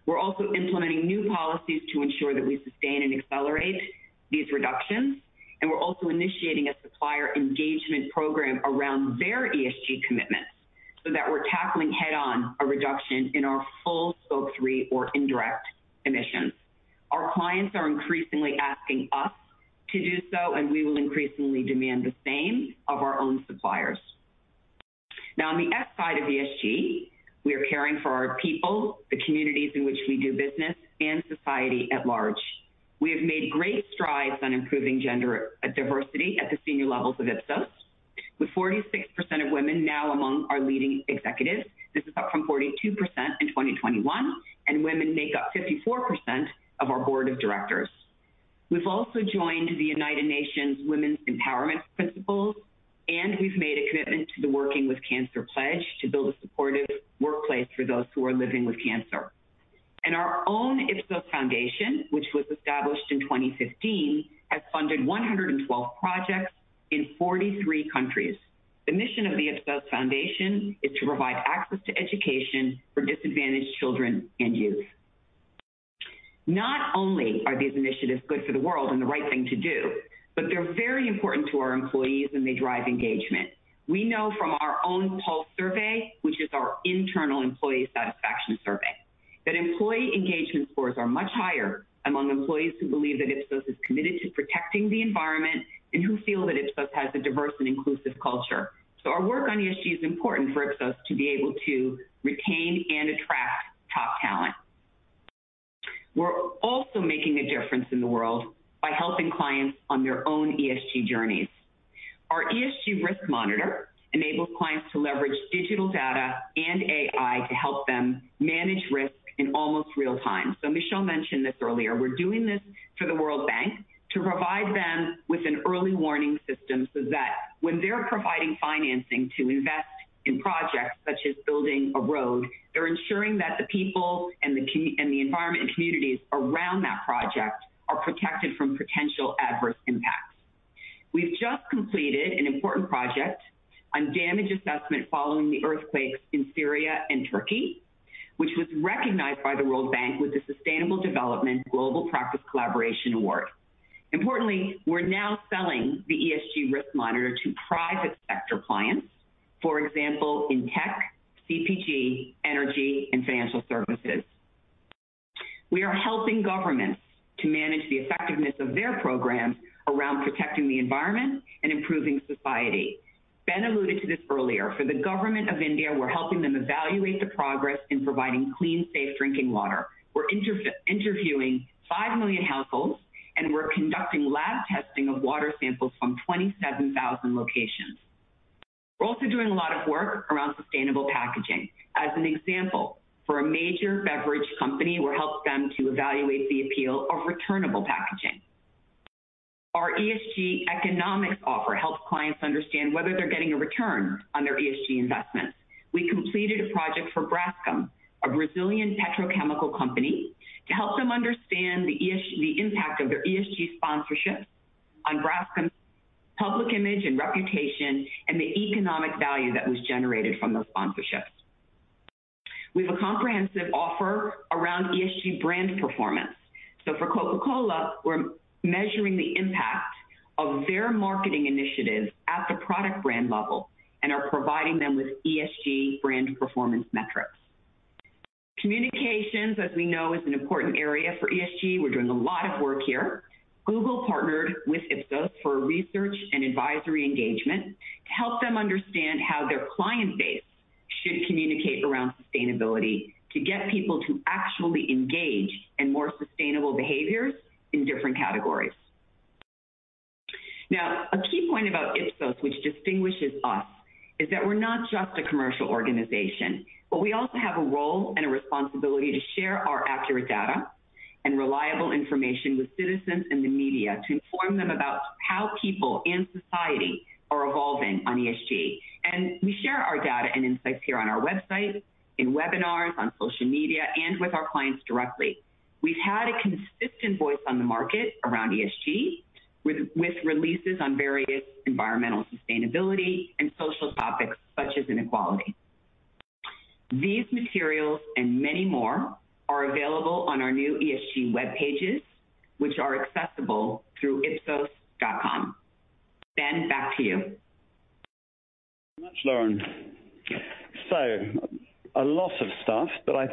Speaker 7: We're also implementing new policies to ensure that we sustain and accelerate these reductions, and we're also initiating a supplier engagement program around their ESG commitments, so that we're tackling head-on a reduction in our full Scope 3 or indirect emissions. Our clients are increasingly asking us to do so, and we will increasingly demand the same of our own suppliers. Now, on the S side of ESG, we are caring for our people, the communities in which we do business, and society at large. We have made great strides on improving gender diversity at the senior levels of Ipsos, with 46% of women now among our leading executives. This is up from 42% in 2021, and women make up 54% of our Board of Directors. We've also joined the United Nations Women's Empowerment Principles, and we've made a commitment to the Working with Cancer Pledge to build a supportive workplace for those who are living with cancer. Our own Ipsos Foundation, which was established in 2015, has funded 112 projects in 43 countries. The mission of the Ipsos Foundation is to provide access to education for disadvantaged children and youth. Not only are these initiatives good for the world and the right thing to do, but they're very important to our employees, and they drive engagement. We know from our own pulse survey, which is our internal employee satisfaction survey, that employee engagement scores are much higher among employees who believe that Ipsos is committed to protecting the environment and who feel that Ipsos has a diverse and inclusive culture. Our work on ESG is important for Ipsos to be able to retain and attract. We're also making a difference in the world by helping clients on their own ESG journeys. Our ESG Risk Monitor enables clients to leverage digital data and AI to help them manage risk in almost real time. Michel mentioned this earlier. We're doing this for the World Bank to provide them with an early warning system, so that when they're providing financing to invest in projects such as building a road, they're ensuring that the people and the environment and communities around that project are protected from potential adverse impacts. We've just completed an important project on damage assessment following the earthquakes in Syria and Turkey, which was recognized by the World Bank with the Sustainable Development Global Practice Collaboration Award. Importantly, we're now selling the ESG Risk Monitor to private sector clients. For example, in tech, CPG, energy, and financial services. We are helping governments to manage the effectiveness of their programs around protecting the environment and improving society. Ben alluded to this earlier. For the government of India, we're helping them evaluate the progress in providing clean, safe drinking water. We're interviewing 5 million households, and we're conducting lab testing of water samples from 27,000 locations. We're also doing a lot of work around sustainable packaging. As an example, for a major beverage company, we're helping them to evaluate the appeal of returnable packaging. Our ESG economics offer helps clients understand whether they're getting a return on their ESG investment. We completed a project for Braskem, a Brazilian petrochemical company, to help them understand the impact of their ESG sponsorship on Braskem's public image and reputation, and the economic value that was generated from those sponsorships. We have a comprehensive offer around ESG brand performance. For Coca-Cola, we're measuring the impact of their marketing initiatives at the product brand level and are providing them with ESG brand performance metrics. Communications, as we know, is an important area for ESG. We're doing a lot of work here. Google partnered with Ipsos for research and advisory engagement to help them understand how their client base should communicate around sustainability, to get people to actually engage in more sustainable behaviors in different categories. Now, a key point about Ipsos, which distinguishes us, is that we're not just a commercial organization, but we also have a role and a responsibility to share our accurate data and reliable information with citizens and the media, to inform them about how people and society are evolving on ESG. We share our data and insights here on our website, in webinars, on social media, and with our clients directly. We've had a consistent voice on the market around ESG, with releases on various environmental, sustainability, and social topics such as inequality. These materials, and many more, are available on our new ESG web pages, which are accessible through ipsos.com. Ben, back to you.
Speaker 1: Thanks so much, Lauren. A lot of stuff, I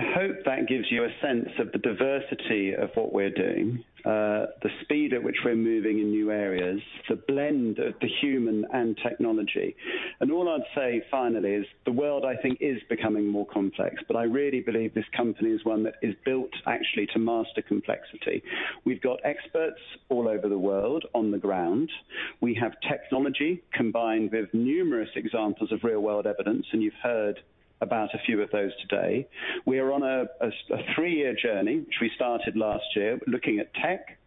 Speaker 1: hope that gives you a sense of the diversity of what we're doing, the speed at which we're moving in new areas, the blend of the human and technology. All I'd say finally is, the world, I think, is becoming more complex, but I really believe this company is one that is built actually to master complexity. We've got experts all over the world on the ground. We have technology combined with numerous examples of real-world evidence, and you've heard about a few of those today. We are on a three-year journey, which we started last year, looking at tech,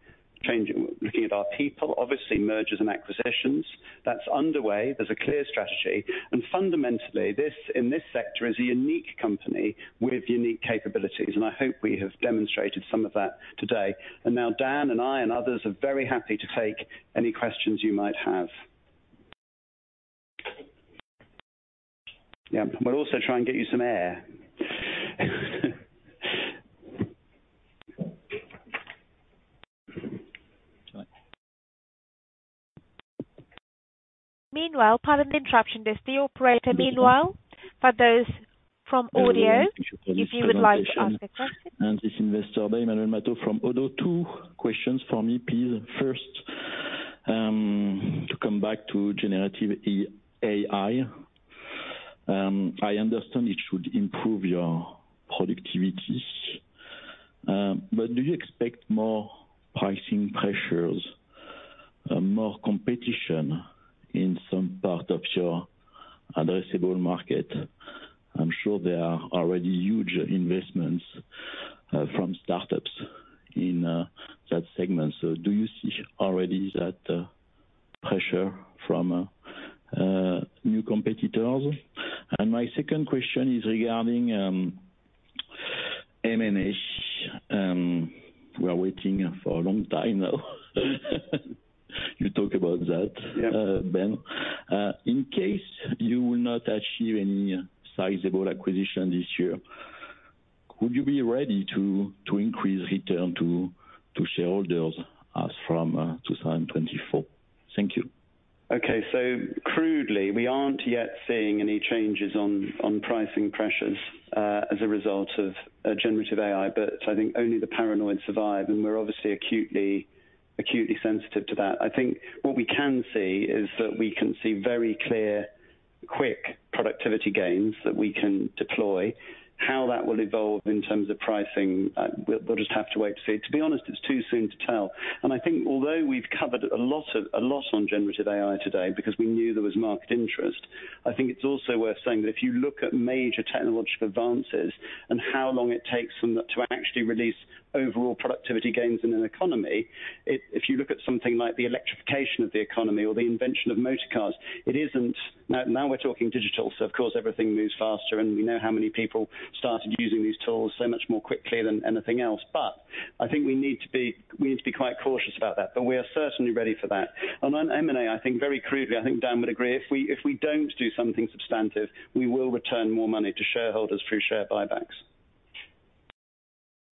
Speaker 1: changing. Looking at our people, obviously, mergers and acquisitions. That's underway. There's a clear strategy, and fundamentally, this, in this sector, is a unique company with unique capabilities, and I hope we have demonstrated some of that today. Now, Dan and I and others are very happy to take any questions you might have. We'll also try and get you some air.
Speaker 8: Meanwhile, pardon the interruption. There's the operator, meanwhile, for those from audio, if you would like to ask a question.
Speaker 9: This is Investor Day, Emmanuel Matot from ODDO BHF. Two questions for me, please. First, to come back to generative AI. I understand it should improve your productivity, but do you expect more pricing pressures, more competition in some part of your addressable market? I'm sure there are already huge investments from startups in that segment. Do you see already that pressure from new competitors? My second question is regarding M&A. We are waiting for a long time now. You talk about that.
Speaker 1: Yeah.
Speaker 9: Ben. In case you will not achieve any sizable acquisition this year, would you be ready to increase return to shareholders as from 2024? Thank you.
Speaker 1: Crudely, we aren't yet seeing any changes on pricing pressures as a result of generative AI, but I think only the paranoid survive, and we're obviously acutely sensitive to that. I think what we can see is that we can see very clear, quick productivity gains that we can deploy. How that will evolve in terms of pricing, we'll just have to wait to see. To be honest, it's too soon to tell. I think although we've covered a lot on generative AI today because we knew there was market interest, I think it's also worth saying that if you look at major technological advances and how long it takes them to actually release overall productivity gains in an economy, if you look at something like the electrification of the economy or the invention of motor cars, it isn't. Now we're talking digital, so of course, everything moves faster, and we know how many people started using these tools so much more quickly than anything else. I think we need to be quite cautious about that, but we are certainly ready for that. On M&A, I think very crudely, I think Dan would agree, if we, if we don't do something substantive, we will return more money to shareholders through share buybacks.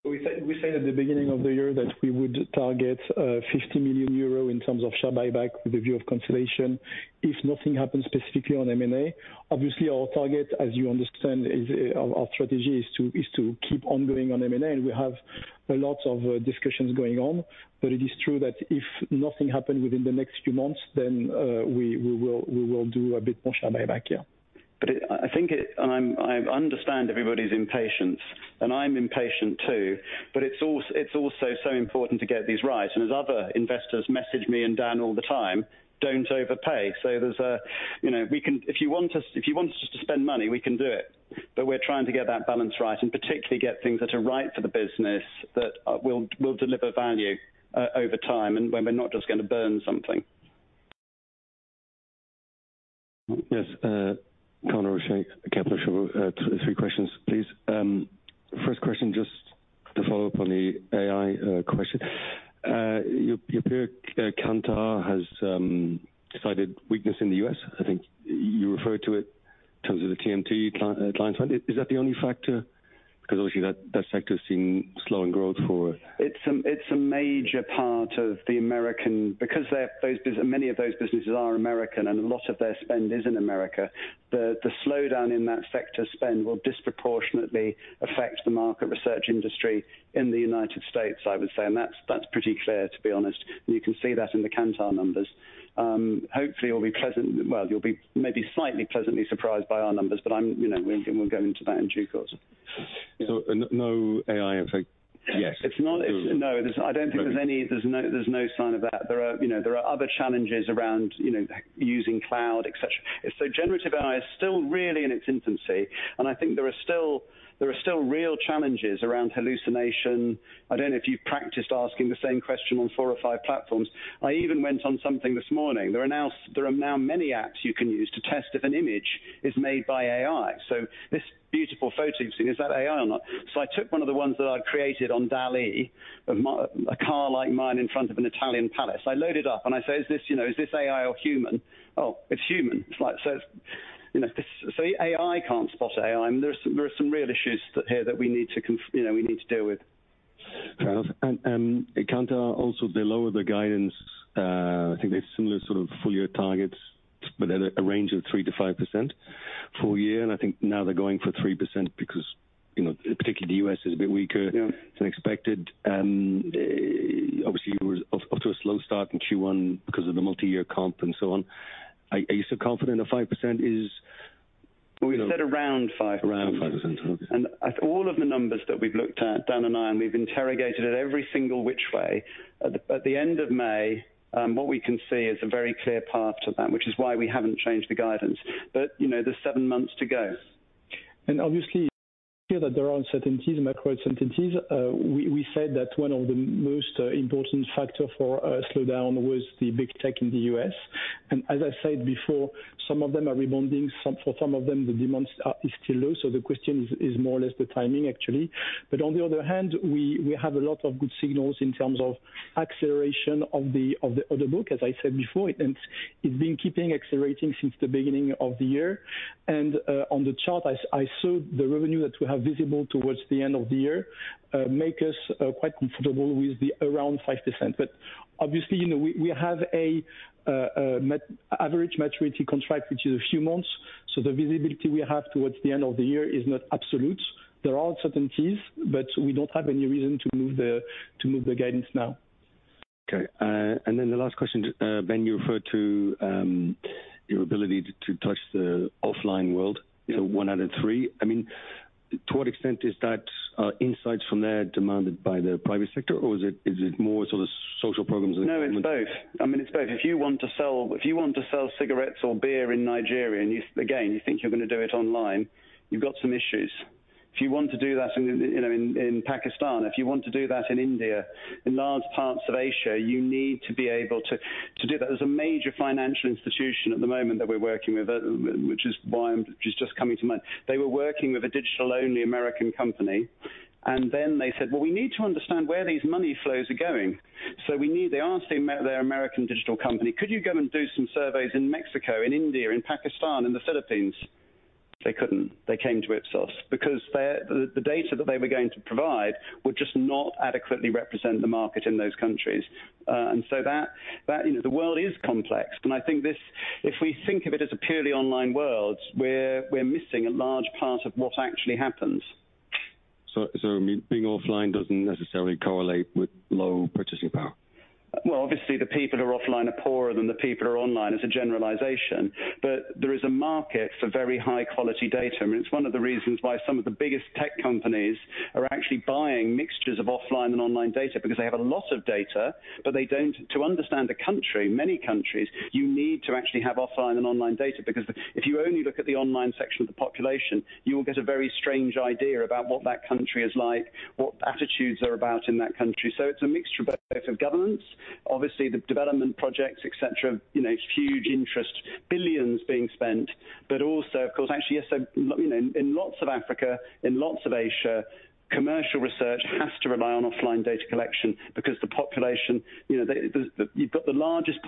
Speaker 3: We said at the beginning of the year that we would target 50 million euro in terms of share buyback with the view of consolidation, if nothing happens specifically on M&A. Obviously, our target, as you understand, is our strategy to keep ongoing on M&A, and we have a lot of discussions going on. It is true that if nothing happened within the next few months, then we will do a bit more share buyback, yeah.
Speaker 1: I think it, and I'm, I understand everybody's impatience, and I'm impatient, too, but it's also so important to get these right. As other investors message me and Dan all the time, "Don't overpay." There's a, you know, if you want us, if you want us to spend money, we can do it, but we're trying to get that balance right, and particularly get things that are right for the business that will deliver value over time, and when we're not just gonna burn something.
Speaker 10: Yes, Conor O'Shea, Kepler Cheuvreux. Three questions, please. First question, just to follow up on the AI question. Your peer, Kantar has cited weakness in the U.S. I think you referred to it in terms of the TMT client side. Is that the only factor? Obviously, that sector has seen slowing growth for.
Speaker 1: It's a major part of the American. Many of those businesses are American and a lot of their spend is in America, the slowdown in that sector spend will disproportionately affect the market research industry in the United States, I would say, and that's pretty clear, to be honest. You can see that in the Kantar numbers. Hopefully, you'll be pleasant. Well, you'll be maybe slightly pleasantly surprised by our numbers, but, you know, we'll go into that in due course.
Speaker 10: No AI effect yet?
Speaker 1: No, there's, I don't think there's.
Speaker 10: Okay.
Speaker 1: There's no sign of that. There are, you know, other challenges around, you know, using cloud, et cetera. Generative AI is still really in its infancy, and I think there are still real challenges around hallucination. I don't know if you've practiced asking the same question on four or five platforms. I even went on something this morning. There are now many apps you can use to test if an image is made by AI. This beautiful photo, you've seen, is that AI or not? I took one of the ones that I created on DALL-E, of my, a car like mine in front of an Italian palace. I load it up, and I say: Is this, you know, is this AI or human? Oh, it's human. It's like, so, you know, AI can't spot AI. There are some real issues that here that we need to you know, we need to deal with.
Speaker 10: At Kantar, also, they lowered the guidance. I think they have similar sort of full year targets, but at a range of 3%-5% full year, and I think now they're going for 3% because, you know, particularly the U.S. is a bit weaker-
Speaker 1: Yeah...
Speaker 10: than expected. Obviously, you were off to a slow start in Q1 because of the multi-year comp and so on. Are you still confident that 5% is, you know?
Speaker 1: We said around 5%.
Speaker 10: Around 5%.
Speaker 1: At all of the numbers that we've looked at, Dan Lévy and I, and we've interrogated it every single which way, at the end of May, what we can see is a very clear path to that, which is why we haven't changed the guidance. You know, there's seven months to go.
Speaker 3: Obviously, hear that there are uncertainties and macro uncertainties. We said that one of the most important factor for a slowdown was the big tech in the U.S. As I said before, some of them are rebounding. Some, for some of them, the demands is still low, so the question is more or less the timing actually. On the other hand, we have a lot of good signals in terms of acceleration of the order book, as I said before, and it's been keeping accelerating since the beginning of the year. On the chart, I saw the revenue that we have visible towards the end of the year, make us quite comfortable with the around 5%. Obviously, you know, we have a average maturity contract, which is a few months, so the visibility we have towards the end of the year is not absolute. There are uncertainties, but we don't have any reason to move the guidance now.
Speaker 10: The last question, Ben, you referred to your ability to touch the offline world.
Speaker 1: Yeah.
Speaker 10: One out of three. I mean, to what extent is that, insights from there demanded by the private sector, or is it more sort of social programs and government?
Speaker 1: No, it's both. I mean, it's both. If you want to sell cigarettes or beer in Nigeria, and you, again, you think you're gonna do it online, you've got some issues. If you want to do that in, you know, in Pakistan, if you want to do that in India, in large parts of Asia, you need to be able to do that. There's a major financial institution at the moment that we're working with, which is why, which is just coming to mind. They were working with a digital-only American company, and then they said: "Well, we need to understand where these money flows are going, so we need..." They asked their American digital company: "Could you go and do some surveys in Mexico, in India, in Pakistan, in the Philippines?" They couldn't. They came to Ipsos because their, the data that they were going to provide would just not adequately represent the market in those countries. That, you know, the world is complex, and I think this, if we think of it as a purely online world, we're missing a large part of what actually happens.
Speaker 10: Being offline doesn't necessarily correlate with low purchasing power?
Speaker 1: Well, obviously, the people who are offline are poorer than the people who are online as a generalization, but there is a market for very high-quality data. I mean, it's one of the reasons why some of the biggest tech companies are actually buying mixtures of offline and online data because they have a lot of data. To understand the country, many countries, you need to actually have offline and online data, because if you only look at the online section of the population, you will get a very strange idea about what that country is like, what attitudes are about in that country. It's a mixture of both, of governments, obviously, the development projects, et cetera, you know, it's huge interest, billions being spent. Also, of course, actually, yes, you know, in lots of Africa, in lots of Asia, commercial research has to rely on offline data collection because the population, you know, the, you've got the largest.